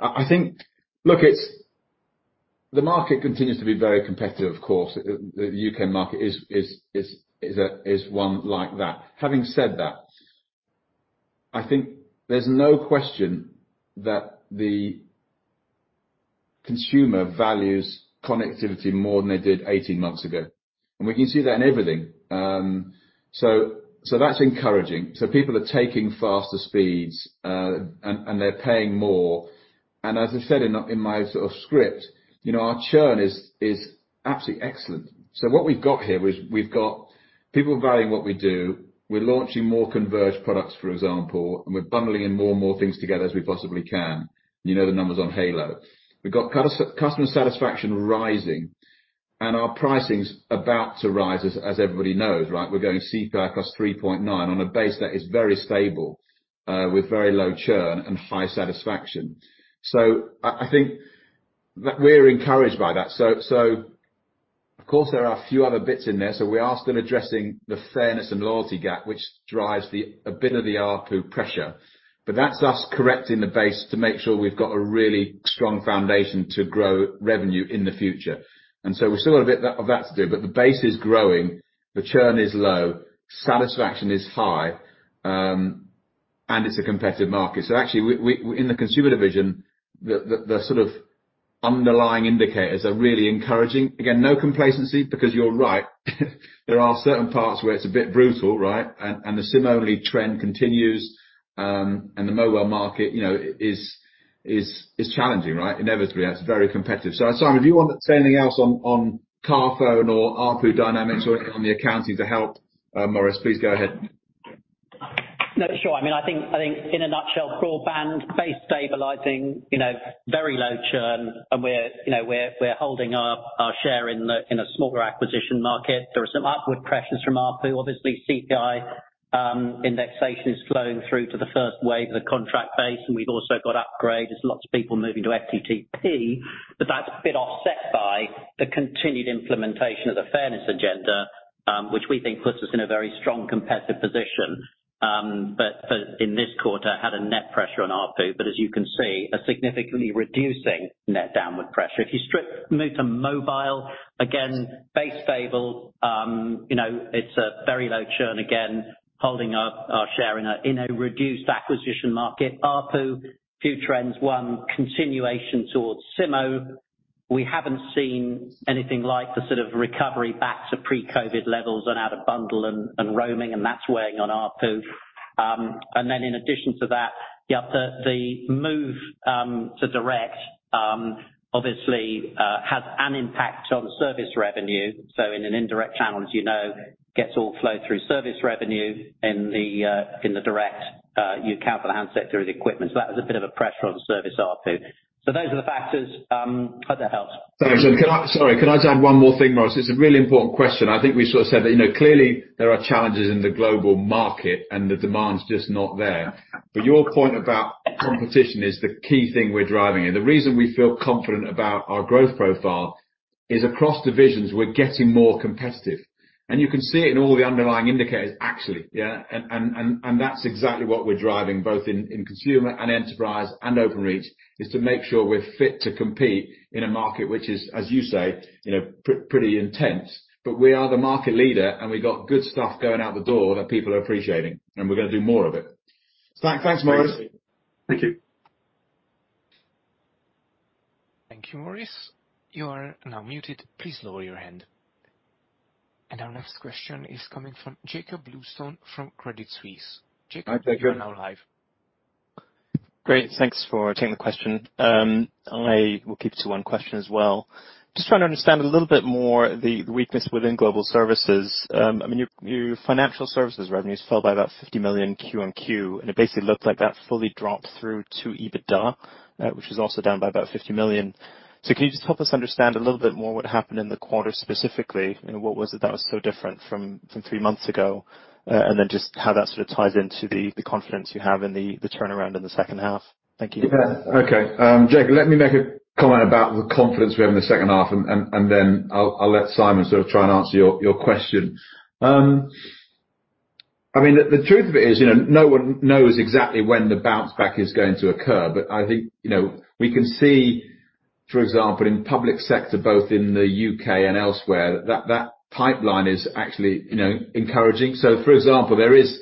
The market continues to be very competitive, of course. The U.K. market is one like that. Having said that, I think there's no question that the consumer values connectivity more than they did 18 months ago. We can see that in everything. That's encouraging. People are taking faster speeds, and they're paying more. As I said in my sort of script, our churn is absolutely excellent. What we've got here is we've got people valuing what we do. We're launching more converged products, for example, and we're bundling in more and more things together as we possibly can. You know the numbers on Halo. We've got customer satisfaction rising, our pricing's about to rise, as everybody knows, right? We're going CPI plus 3.9 on a base that is very stable, with very low churn and high satisfaction. I think that we're encouraged by that. Of course, there are a few other bits in there. We are still addressing the fairness and loyalty gap, which drives a bit of the ARPU pressure. That's us correcting the base to make sure we've got a really strong foundation to grow revenue in the future. We've still got a bit of that to do, but the base is growing, the churn is low, satisfaction is high, and it's a competitive market. Actually, in the consumer division, the sort of underlying indicators are really encouraging. Again, no complacency, because you're right, there are certain parts where it's a bit brutal, right? The SIM-only trend continues, and the mobile market is challenging, right? Inevitably, it's very competitive. Simon Lowth, do you want to say anything else on Carphone or ARPU dynamics or on the accounting to help Maurice? Please go ahead. No, sure. I think in a nutshell, broadband base stabilizing, very low churn, and we're holding our share in a smaller acquisition market. There are some upward pressures from ARPU. Obviously, CPI indexation is flowing through to the first wave of the contract base, and we've also got upgrades. There's lots of people moving to FTTP. That's a bit offset by the continued implementation of the fairness agenda, which we think puts us in a very strong competitive position. In this quarter, had a net pressure on ARPU, but as you can see, a significantly reducing net downward pressure. If you move to mobile, again, base stable. It's a very low churn, again, holding our share in a reduced acquisition market. ARPU, a few trends. 1, continuation towards SIMO. We haven't seen anything like the sort of recovery back to pre-COVID levels on out-of-bundle and roaming, and that's weighing on ARPU. Then in addition to that, the move to direct obviously has an impact on service revenue. In an indirect channel, as you know, gets all flowed through service revenue. In the direct, you account for the handset through the equipment. That was a bit of a pressure on service ARPU. Those are the factors. Hope that helps. Sorry, can I just add one more thing, Maurice? It's a really important question. I think we sort of said that clearly there are challenges in the global market and the demand's just not there. Your point about competition is the key thing we're driving. The reason we feel confident about our growth profile is across divisions, we're getting more competitive. You can see it in all the underlying indicators, actually. Yeah? That's exactly what we're driving both in consumer and enterprise and Openreach, is to make sure we're fit to compete in a market which is, as you say, pretty intense. We are the market leader, and we've got good stuff going out the door that people are appreciating. We're going to do more of it. Thanks, Maurice. Thank you. Thank you, Maurice. You are now muted. Please lower your hand. Our next question is coming from Jakob Bluestone from Credit Suisse. Thanks for taking the question. I will keep it to one question as well. Just trying to understand a little bit more the weakness within Global Services. Your financial services revenues fell by about 50 million quarter-on-quarter, it basically looked like that fully dropped through to EBITDA, which was also down by about 50 million. Can you just help us understand a little bit more what happened in the quarter specifically? What was it that was so different from three months ago? How that sort of ties into the confidence you have in the turnaround in the second half. Thank you. Okay. Jakob, let me make a comment about the confidence we have in the second half, and then I'll let Simon sort of try and answer your question. The truth of it is, no one knows exactly when the bounce back is going to occur. I think we can see, for example, in public sector, both in the U.K. and elsewhere, that that pipeline is actually encouraging. For example, there is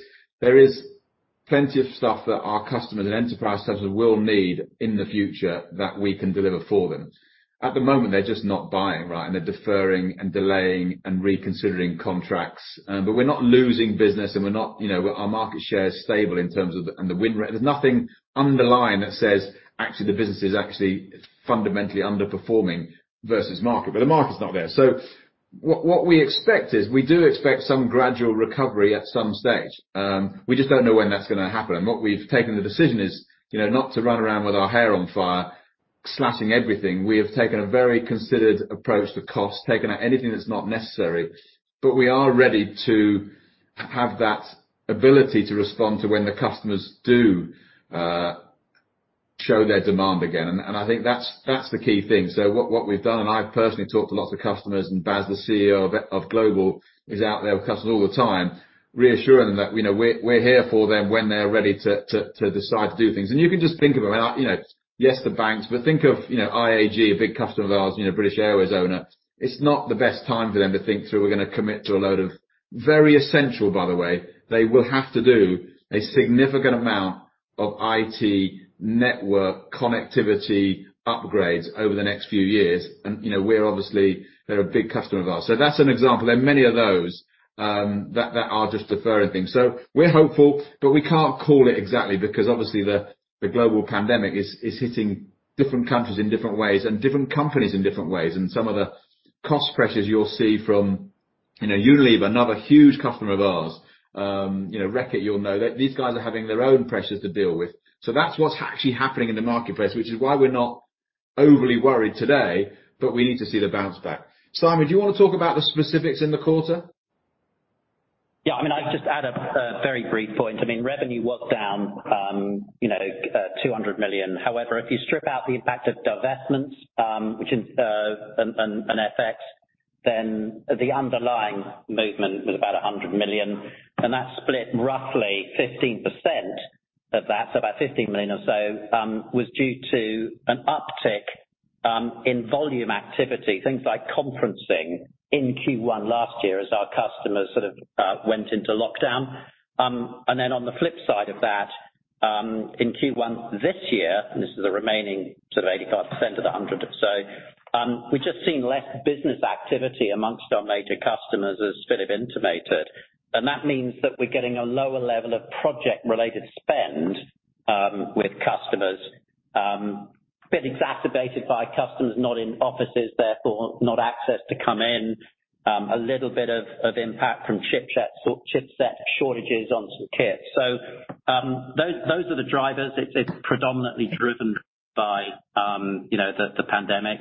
plenty of stuff that our customers and enterprise customers will need in the future that we can deliver for them. At the moment, they're just not buying, right. They're deferring and delaying and reconsidering contracts. We're not losing business, and our market share is stable in terms of the win rate. There's nothing underlying that says actually the business is actually fundamentally underperforming versus market, but the market's not there. What we expect is we do expect some gradual recovery at some stage. We just don't know when that's going to happen. What we've taken the decision is not to run around with our hair on fire, slashing everything. We have taken a very considered approach to cost, taken out anything that's not necessary. We are ready to have that ability to respond to when the customers do show their demand again. I think that's the key thing. What we've done, and I've personally talked to lots of customers, and Bas Burger, the CEO of Global, is out there with customers all the time, reassuring them that we're here for them when they're ready to decide to do things. You can just think of them. Yes, the banks, but think of IAG, a big customer of ours, British Airways owner. It's not the best time for them to think through we're going to commit to a load of very essential, by the way, they will have to do a significant amount of IT network connectivity upgrades over the next few years. They're a big customer of ours. That's an example. There are many of those that are just deferring things. We're hopeful, but we can't call it exactly because obviously the global pandemic is hitting different countries in different ways and different companies in different ways. Some of the cost pressures you'll see from Unilever, another huge customer of ours, Reckitt, you'll know that these guys are having their own pressures to deal with. That's what's actually happening in the marketplace, which is why we're not overly worried today, but we need to see the bounce back. Simon, do you want to talk about the specifics in the quarter? I'll just add a very brief point. Revenue was down 200 million. If you strip out the impact of divestments, which is an FX, then the underlying movement was about 100 million. That split roughly 15% of that, so about 15 million or so, was due to an uptick in volume activity, things like conferencing in Q1 last year as our customers sort of went into lockdown. Then on the flip side of that, in Q1 this year, this is the remaining sort of 85% of the 100 or so, we've just seen less business activity amongst our major customers, as Philip intimated. That means that we're getting a lower level of project-related spend with customers, bit exacerbated by customers not in offices, therefore not access to come in. A little bit of impact from chipset shortages on some kit. Those are the drivers. It's predominantly driven by the pandemic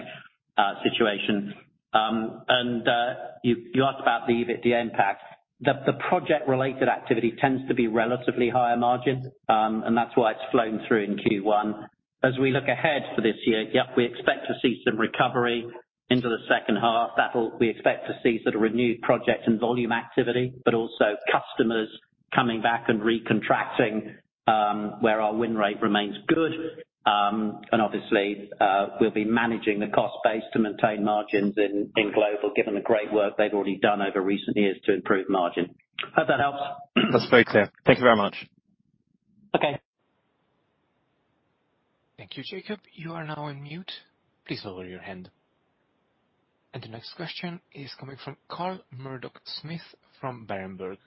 situation. You asked about the EBITDA impact. The project-related activity tends to be relatively higher margin, and that's why it's flown through in Q1. We look ahead for this year, yep, we expect to see some recovery into the second half. We expect to see sort of renewed project and volume activity, but also customers coming back and recontracting where our win rate remains good. Obviously, we'll be managing the cost base to maintain margins in Global, given the great work they've already done over recent years to improve margin. Hope that helps. That's very clear. Thank you very much. Thank you, Jakob. You are now on mute. Please lower your hand. The next question is coming from Carl Murdock-Smith from Berenberg.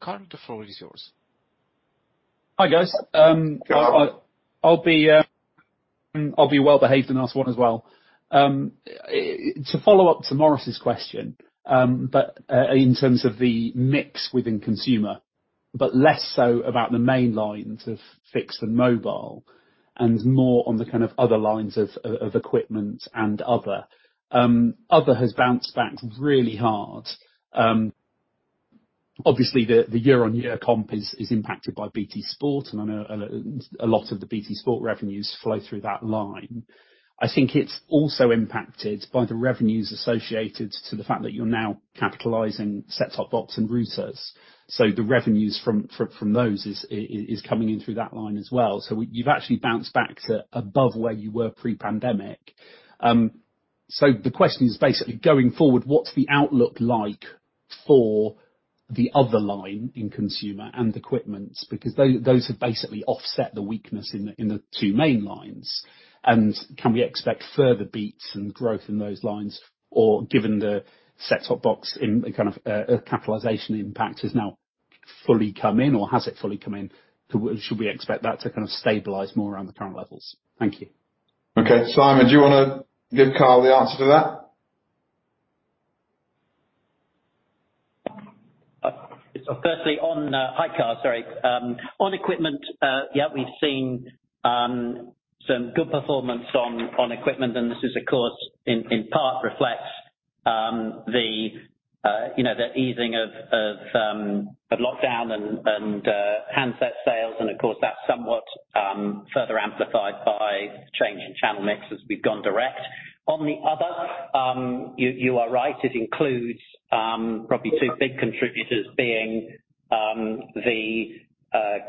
Carl, the floor is yours. Hi, guys. Carl. I'll be well-behaved and ask one as well. To follow up to Maurice's question, in terms of the mix within consumer, less so about the main lines of fixed and mobile and more on the kind of other lines of equipment and other. Other has bounced back really hard. Obviously, the year-on-year comp is impacted by BT Sport, and I know a lot of the BT Sport revenues flow through that line. I think it's also impacted by the revenues associated to the fact that you're now capitalizing set-top box and routers. The revenues from those is coming in through that line as well. You've actually bounced back to above where you were pre-pandemic. The question is basically, going forward, what's the outlook like for the other line in consumer and equipments? Because those have basically offset the weakness in the two main lines. Can we expect further beats and growth in those lines? Given the set-top box in kind of capitalization impact is now fully come in, or has it fully come in? Should we expect that to kind of stabilize more around the current levels? Thank you. Okay. Simon, do you want to give Carl the answer to that? Firstly, hi, Carl. Sorry. On equipment, yeah, we've seen some good performance on equipment, and this is, of course, in part reflects the easing of the lockdown and handset sales, and of course, that's somewhat further amplified by change in channel mix as we've gone direct. On the other, you are right, it includes probably two big contributors being the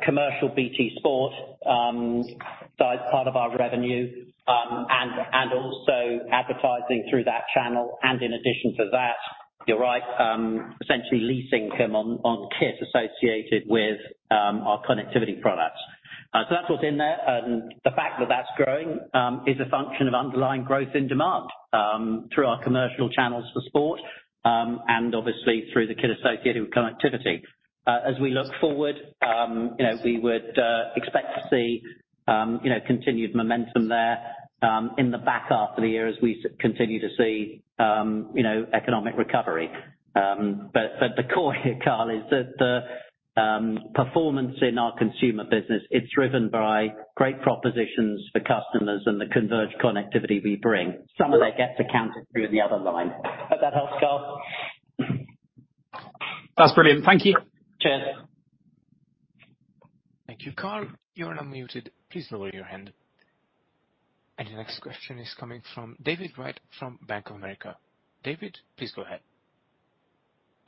commercial BT Sport side, part of our revenue, and also advertising through that channel. In addition to that, you're right, essentially leasing come on kit associated with our connectivity products. That's what's in there. The fact that that's growing is a function of underlying growth in demand through our commercial channels for sport and obviously through the kit associated with connectivity. As we look forward, we would expect to see continued momentum there in the back half of the year as we continue to see economic recovery. The core here, Carl, is that the performance in our consumer business, it's driven by great propositions for customers and the converged connectivity we bring. Some of that gets accounted through the other line. Hope that helps, Carl. That's brilliant. Thank you. Cheers. Thank you. Carl, you're unmuted. Please lower your hand. The next question is coming from David Wright from Bank of America. David, please go ahead.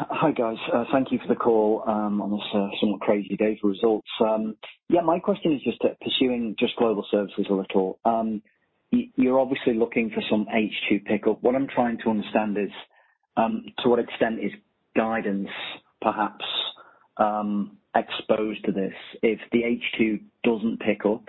Hi, guys. Thank you for the call on this crazy day for results. My question is just pursuing global services a little. You're obviously looking for some H2 pickup. What I'm trying to understand is, to what extent is guidance perhaps exposed to this? If the H2 doesn't pick up,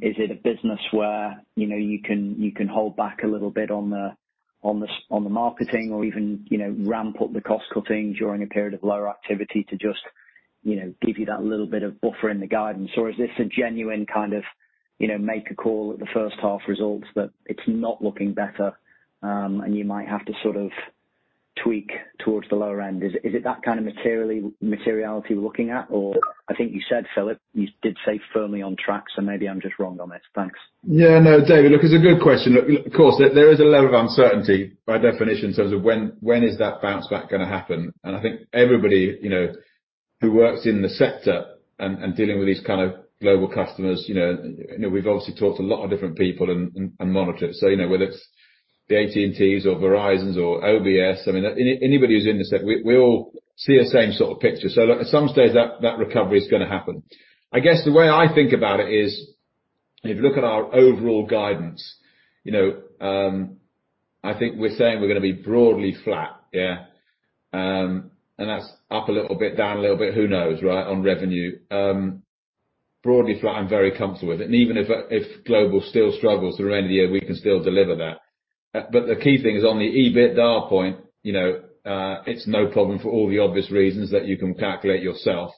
is it a business where you can hold back a little bit on the marketing or even ramp up the cost-cutting during a period of lower activity to just give you that little bit of buffer in the guidance? Is this a genuine kind of make a call at the first half results that it's not looking better, and you might have to sort of tweak towards the lower end? Is it that kind of materiality we're looking at? I think you said, Philip, you did say firmly on track. Maybe I'm just wrong on this. Thanks. Yeah. No, David, look, it's a good question. Look, of course, there is a level of uncertainty by definition in terms of when is that bounce back going to happen. I think everybody who works in the sector and dealing with these kind of global customers, we've obviously talked to a lot of different people and monitored it. Whether it's the AT&Ts or Verizons or UBS, I mean, anybody who's in this sector, we all see the same sort of picture. Look, at some stage that recovery is going to happen. I guess the way I think about it is, if you look at our overall guidance, I think we're saying we're going to be broadly flat. Yeah. That's up a little bit, down a little bit, who knows, right, on revenue. Broadly flat, I'm very comfortable with it. Even if Global still struggles through the end of the year, we can still deliver that. The key thing is on the EBITDA point, it's no problem for all the obvious reasons that you can calculate yourself.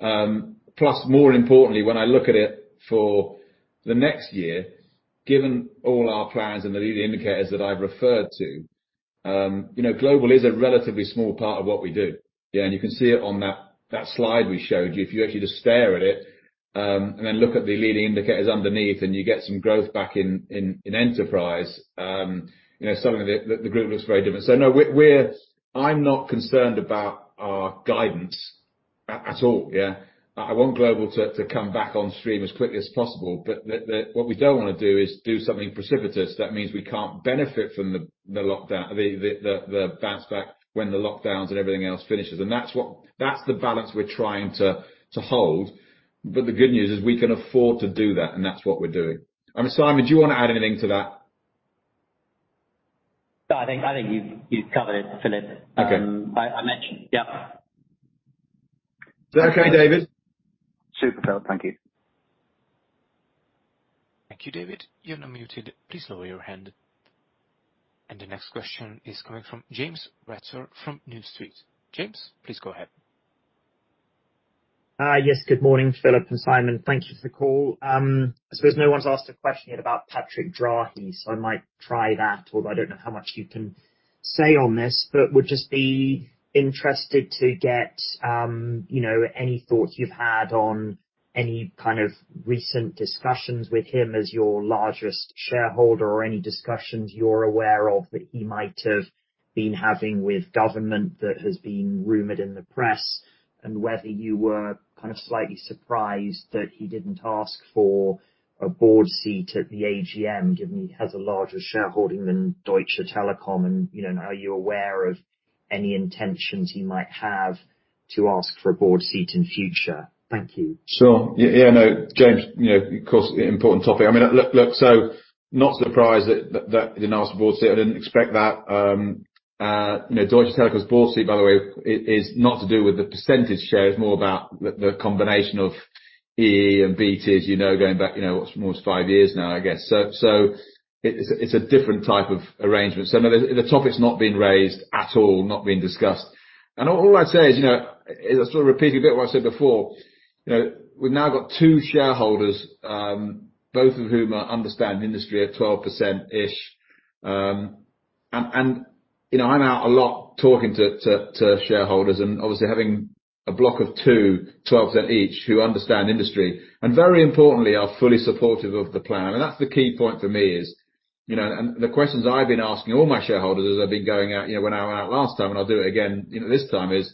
More importantly, when I look at it for the next year, given all our plans and the leading indicators that I've referred to, Global is a relatively small part of what we do. You can see it on that slide we showed you. If you actually just stare at it, and then look at the leading indicators underneath, and you get some growth back in Enterprise, some of it, the Group looks very different. No, I'm not concerned about our guidance at all. I want Global to come back on stream as quickly as possible. What we don't want to do is do something precipitous. That means we can't benefit from the bounce back when the lockdowns and everything else finishes. That's the balance we're trying to hold. The good news is we can afford to do that, and that's what we're doing. Simon, do you want to add anything to that? No, I think you've covered it, Philip. Okay. I mentioned, yeah. Is that okay, David? Super, Philip. Thank you. Thank you, David. You're now muted. Please lower your hand. The next question is coming from James Ratzer from New Street Research. James, please go ahead. Yes, good morning, Philip and Simon. Thank you for the call. I suppose no one's asked a question yet about Patrick Drahi, so I might try that, although I don't know how much you can say on this. Would just be interested to get any thoughts you've had on any kind of recent discussions with him as your largest shareholder or any discussions you're aware of that he might have been having with government that has been rumored in the press, and whether you were kind of slightly surprised that he didn't ask for a board seat at the AGM, given he has a larger shareholding than Deutsche Telekom. Are you aware of any intentions he might have to ask for a board seat in future? Thank you. Sure. Yeah, James, of course, important topic. Not surprised that he didn't ask for a board seat. I didn't expect that. Deutsche Telekom's board seat, by the way, is not to do with the percentage share. It's more about the combination of EE and BT, as you know, going back almost five years now, I guess. It's a different type of arrangement. No, the topic's not been raised at all, not been discussed. All I'd say is, sort of repeating a bit what I said before, we've now got two shareholders, both of whom understand industry at 12%-ish. I'm out a lot talking to shareholders and obviously having a block of two, 12% each, who understand industry, and very importantly, are fully supportive of the plan. That's the key point for me is, and the questions I've been asking all my shareholders as I've been going out, when I went out last time, and I'll do it again this time is,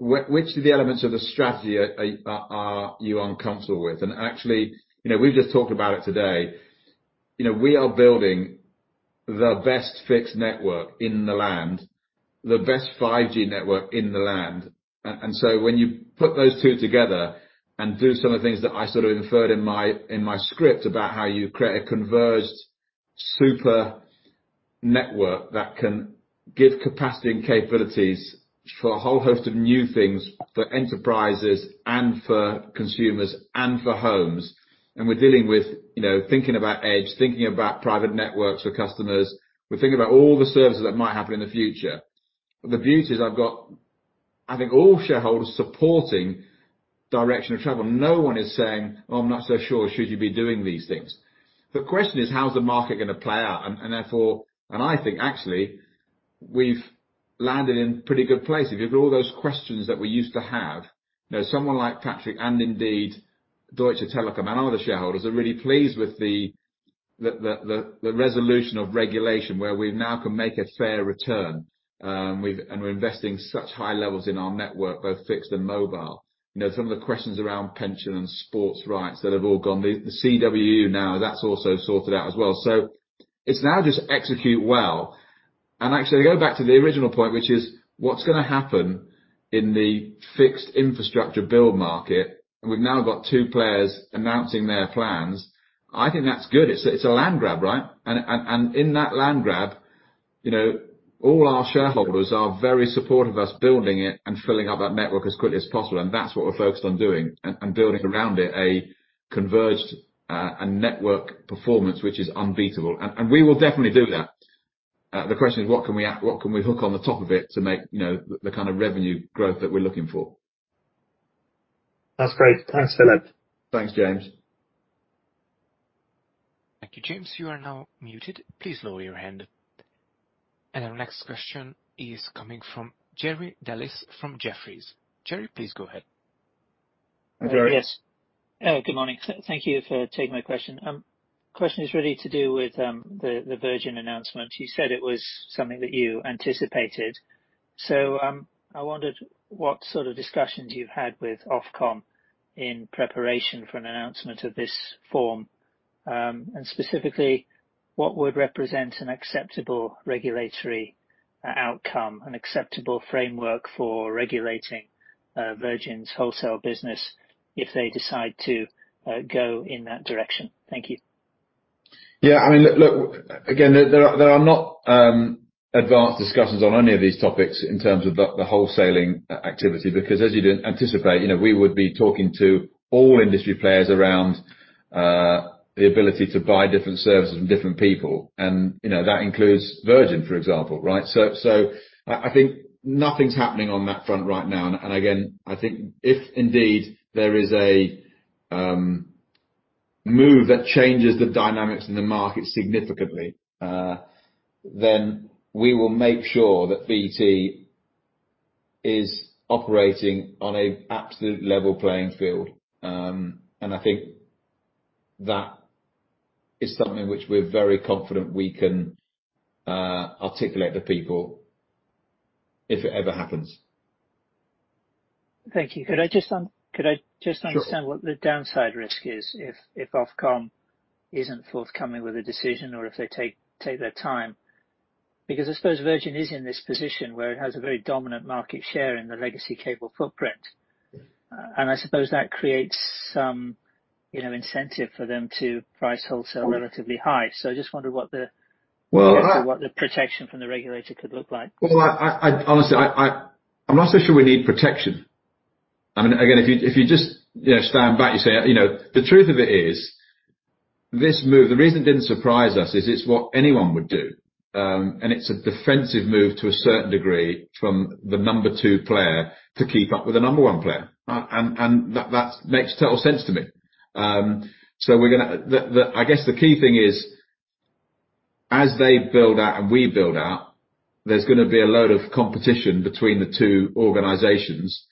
which of the elements of the strategy are you uncomfortable with? Actually, we've just talked about it today. We are building the best fixed network in the land, the best 5G network in the land. When you put those two together and do some of the things that I sort of inferred in my script about how you create a converged super network that can give capacity and capabilities for a whole host of new things for enterprises and for consumers and for homes. We're dealing with thinking about Edge, thinking about private networks for customers. We're thinking about all the services that might happen in the future. The beauty is I think all shareholders supporting direction of travel. No one is saying, "Oh, I'm not so sure. Should you be doing these things?" The question is, how's the market going to play out? I think actually, we've landed in pretty good place. If you look at all those questions that we used to have, Patrick and indeed Deutsche Telekom and other shareholders are really pleased with the resolution of regulation where we now can make a fair return. We're investing such high levels in our network, both fixed and mobile. Some of the questions around pension and sports rights that have all gone. The CWU now, that's also sorted out as well. It's now just execute well. Actually, to go back to the original point, which is what's going to happen in the fixed infrastructure build market, and we've now got two players announcing their plans. I think that's good. It's a land grab, right? In that land grab, all our shareholders are very supportive of us building it and filling up that network as quickly as possible, and that's what we're focused on doing, and building around it a converged, network performance which is unbeatable. We will definitely do that. The question is, what can we hook on the top of it to make the kind of revenue growth that we're looking for? That's great. Thanks, Philip. Thanks, James. Thank you, James. You are now muted. Please lower your hand. Our next question is coming from Jerry Dellis from Jefferies. Jerry, please go ahead. Good morning. Thank you for taking my question. Question is really to do with the Virgin announcement. You said it was something that you anticipated. I wondered what sort of discussions you've had with Ofcom in preparation for an announcement of this form. Specifically, what would represent an acceptable regulatory outcome, an acceptable framework for regulating Virgin's wholesale business if they decide to go in that direction. Thank you. Look, again, there are not advanced discussions on any of these topics in terms of the wholesaling activity because as you'd anticipate, we would be talking to all industry players around the ability to buy different services from different people. That includes Virgin, for example, right? I think nothing's happening on that front right now. Again, I think if indeed there is a move that changes the dynamics in the market significantly, then we will make sure that BT is operating on a absolute level playing field. I think that is something which we're very confident we can articulate to people if it ever happens. Thank you. Could I just understand what the downside risk is if Ofcom isn't forthcoming with a decision or if they take their time? I suppose Virgin is in this position where it has a very dominant market share in the legacy cable footprint. I suppose that creates some incentive for them to price wholesale relatively high. I just wondered what the protection from the regulator could look like. Well, honestly, I'm not so sure we need protection. Again, if you just stand back, you say. The truth of it is, this move, the reason it didn't surprise us is it's what anyone would do. It's a defensive move to a certain degree from the number 2 player to keep up with the number 1 player. That makes total sense to me. I guess the key thing is, as they build out and we build out, there's gonna be a load of competition between the two organizations,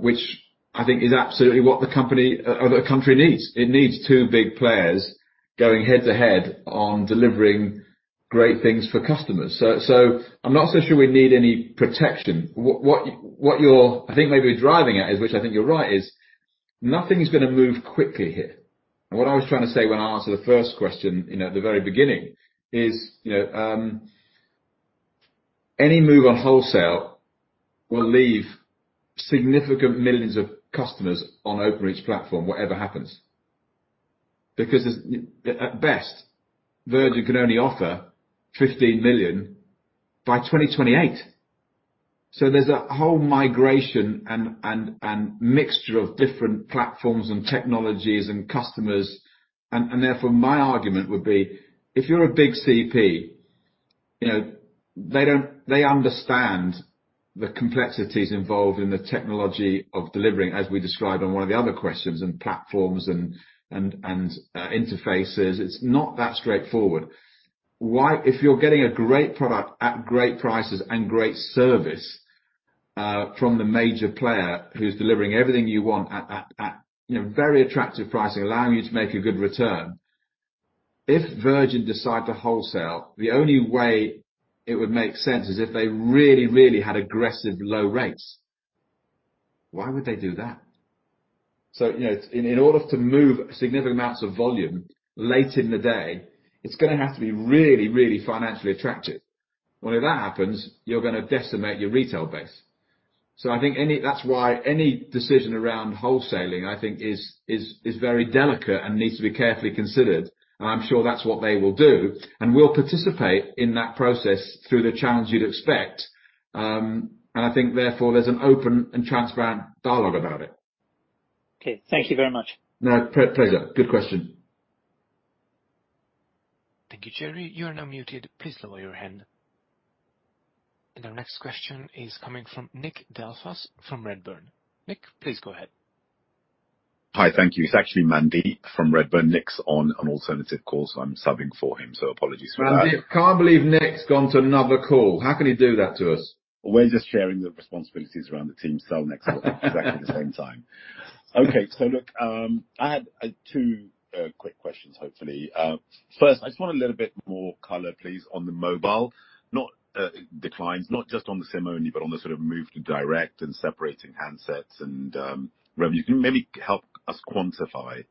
which I think is absolutely what the country needs. It needs two big players going head to head on delivering great things for customers. I'm not so sure we need any protection. What you're, I think maybe driving at is, which I think you're right, is nothing's gonna move quickly here. What I was trying to say when I answered the first question at the very beginning is, any move on wholesale will leave significant millions of customers on Openreach platform, whatever happens. At best, Virgin can only offer 15 million by 2028. There's a whole migration and mixture of different platforms and technologies and customers. My argument would be, if you're a big CP, they understand the complexities involved in the technology of delivering as we described on one of the other questions in platforms and interfaces. It's not that straightforward. If you're getting a great product at great prices and great service from the major player who's delivering everything you want at very attractive pricing, allowing you to make a good return. If Virgin decide to wholesale, the only way it would make sense is if they really, really had aggressive low rates. Why would they do that? In order to move significant amounts of volume late in the day, it's going to have to be really, really financially attractive. Whenever that happens, you're going to decimate your retail base. I think that's why any decision around wholesaling, I think is very delicate and needs to be carefully considered. I'm sure that's what they will do. We'll participate in that process through the channels you'd expect. I think therefore, there's an open and transparent dialogue about it. Okay. Thank you very much. My pleasure. Good question. Thank you, Jerry. You are now muted. Please lower your hand. Our next question is coming from Nick Delfas from Redburn. Nick, please go ahead. Hi. Thank you. It's actually Mandeep from Redburn. Nick's on an alternative call, so I'm subbing for him. Apologies for that. Mandeep, can't believe Nick's gone to another call. How can he do that to us? We're just sharing the responsibilities around the team so next call exactly the same time. Okay. Look, I had two quick questions, hopefully. First, I just want a little bit more color, please, on the mobile, not declines, not just on the SIM-only, but on the sort of move to direct and separating handsets and revenues. Can you maybe help us quantify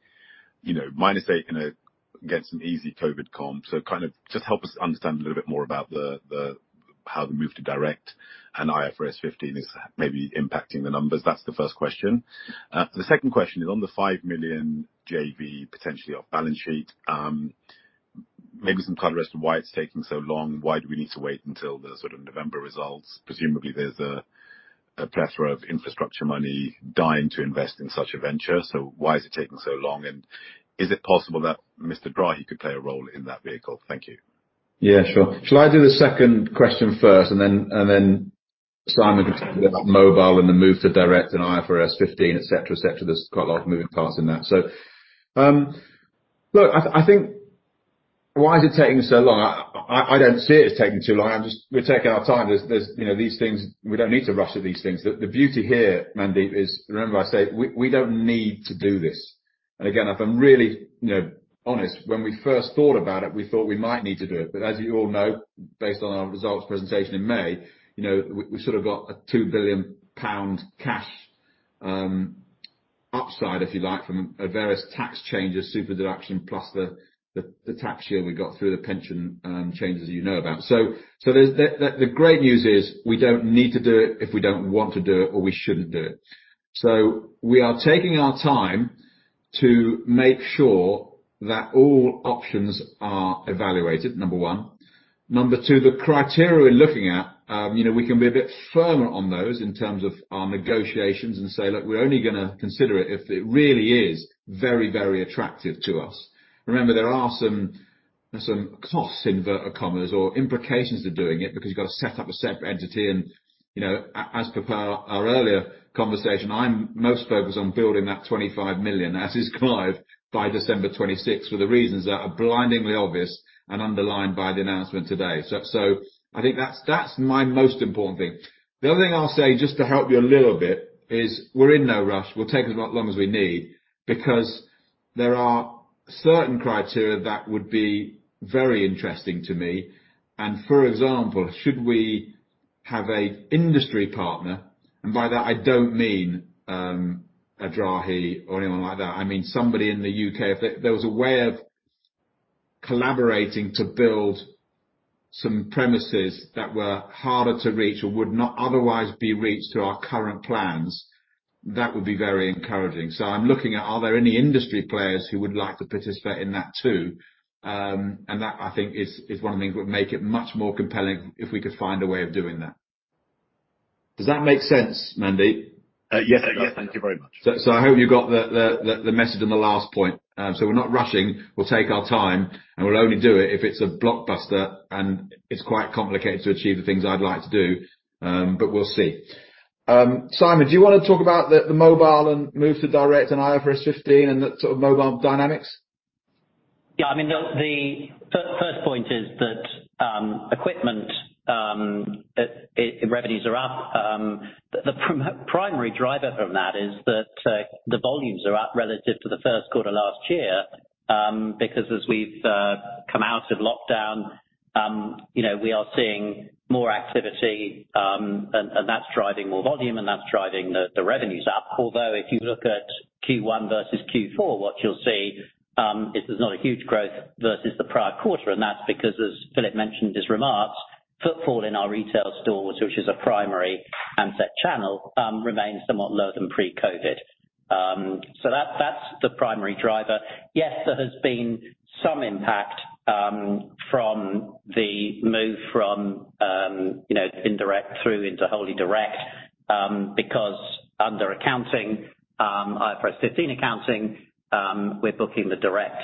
an easy COVID comp? Kind of just help us understand a little bit more about how the move to direct and IFRS 15 is maybe impacting the numbers. That's the first question. The second question is on the 5 million JV, potentially off-balance sheet, maybe some color as to why it's taking so long. Why do we need to wait until the sort of November results? Presumably, there's a plethora of infrastructure money dying to invest in such a venture. Why is it taking so long? Is it possible that Mr. Drahi could play a role in that vehicle? Thank you. Yeah, sure. Shall I do the second question first and then Simon can talk about mobile and the move to direct and IFRS 15, et cetera. There's quite a lot of moving parts in that. Look, I think why is it taking so long? I don't see it as taking too long. We're taking our time. We don't need to rush at these things. The beauty here, Mandeep, is, remember I say, we don't need to do this. Again, if I'm really honest, when we first thought about it, we thought we might need to do it. As you all know, based on our results presentation in May, we sort of got a 2 billion pound cash upside, if you like, from various tax changes, super deduction, plus the tax shield we got through the pension changes you know about. The great news is we don't need to do it if we don't want to do it or we shouldn't do it. Number 2, the criteria we're looking at, we can be a bit firmer on those in terms of our negotiations and say, look, we're only going to consider it if it really is very attractive to us. Remember, there are some costs, inverted commas, or implications to doing it because you've got to set up a separate entity. As per our earlier conversation, I'm most focused on building that 25 million, as is Clive, by December 2026, for the reasons that are blindingly obvious and underlined by the announcement today. I think that's my most important thing. The other thing I'll say, just to help you a little bit, is we're in no rush. We'll take as long as we need because there are certain criteria that would be very interesting to me and for example, should we have an industry partner, and by that I don't mean a Drahi or anyone like that. I mean somebody in the U.K. If there was a way of collaborating to build some premises that were harder to reach or would not otherwise be reached through our current plans, that would be very encouraging. I'm looking at, are there any industry players who would like to participate in that too? That, I think, is one of the things that would make it much more compelling if we could find a way of doing that. Does that make sense, Mandeep? Yes. Thank you very much. I hope you got the message on the last point. We're not rushing. We'll take our time, and we'll only do it if it's a blockbuster. It's quite complicated to achieve the things I'd like to do, but we'll see. Simon, do you want to talk about the mobile and move to direct and IFRS 15 and the sort of mobile dynamics? Yeah. The first point is that equipment revenues are up. The primary driver from that is that the volumes are up relative to the Q1 last year, because as we've come out of lockdown, we are seeing more activity, and that's driving more volume and that's driving the revenues up. If you look at Q1 versus Q4, what you'll see is there's not a huge growth versus the prior quarter. That's because, as Philip mentioned in his remarks, footfall in our retail stores, which is a primary handset channel, remains somewhat lower than pre-COVID. That's the primary driver. Yes, there has been some impact from the move from indirect through into wholly direct, because under accounting, IFRS 15 accounting, we're booking the direct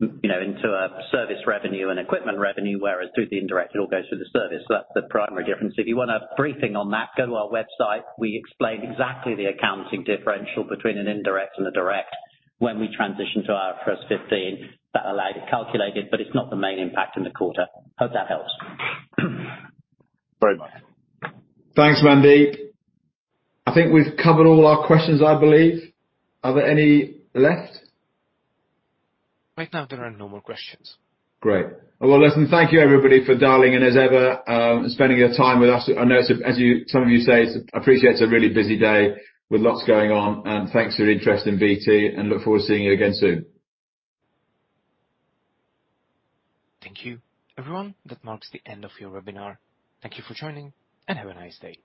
into a service revenue and equipment revenue, whereas through the indirect it all goes through the service. That's the primary difference. If you want a briefing on that, go to our website. We explain exactly the accounting differential between an indirect and a direct when we transition to IFRS 15. That allowed it calculated, but it's not the main impact in the quarter. Hope that helps. Very much. Thanks, Mandeep. I think we've covered all our questions, I believe. Are there any left? Right now there are no more questions. Great. Well, listen, thank you, everybody, for dialing in as ever, and spending your time with us. I know some of you say, appreciate it's a really busy day with lots going on. Thanks for your interest in BT, and look forward to seeing you again soon. Thank you, everyone. That marks the end of your webinar. Thank you for joining, and have a nice day.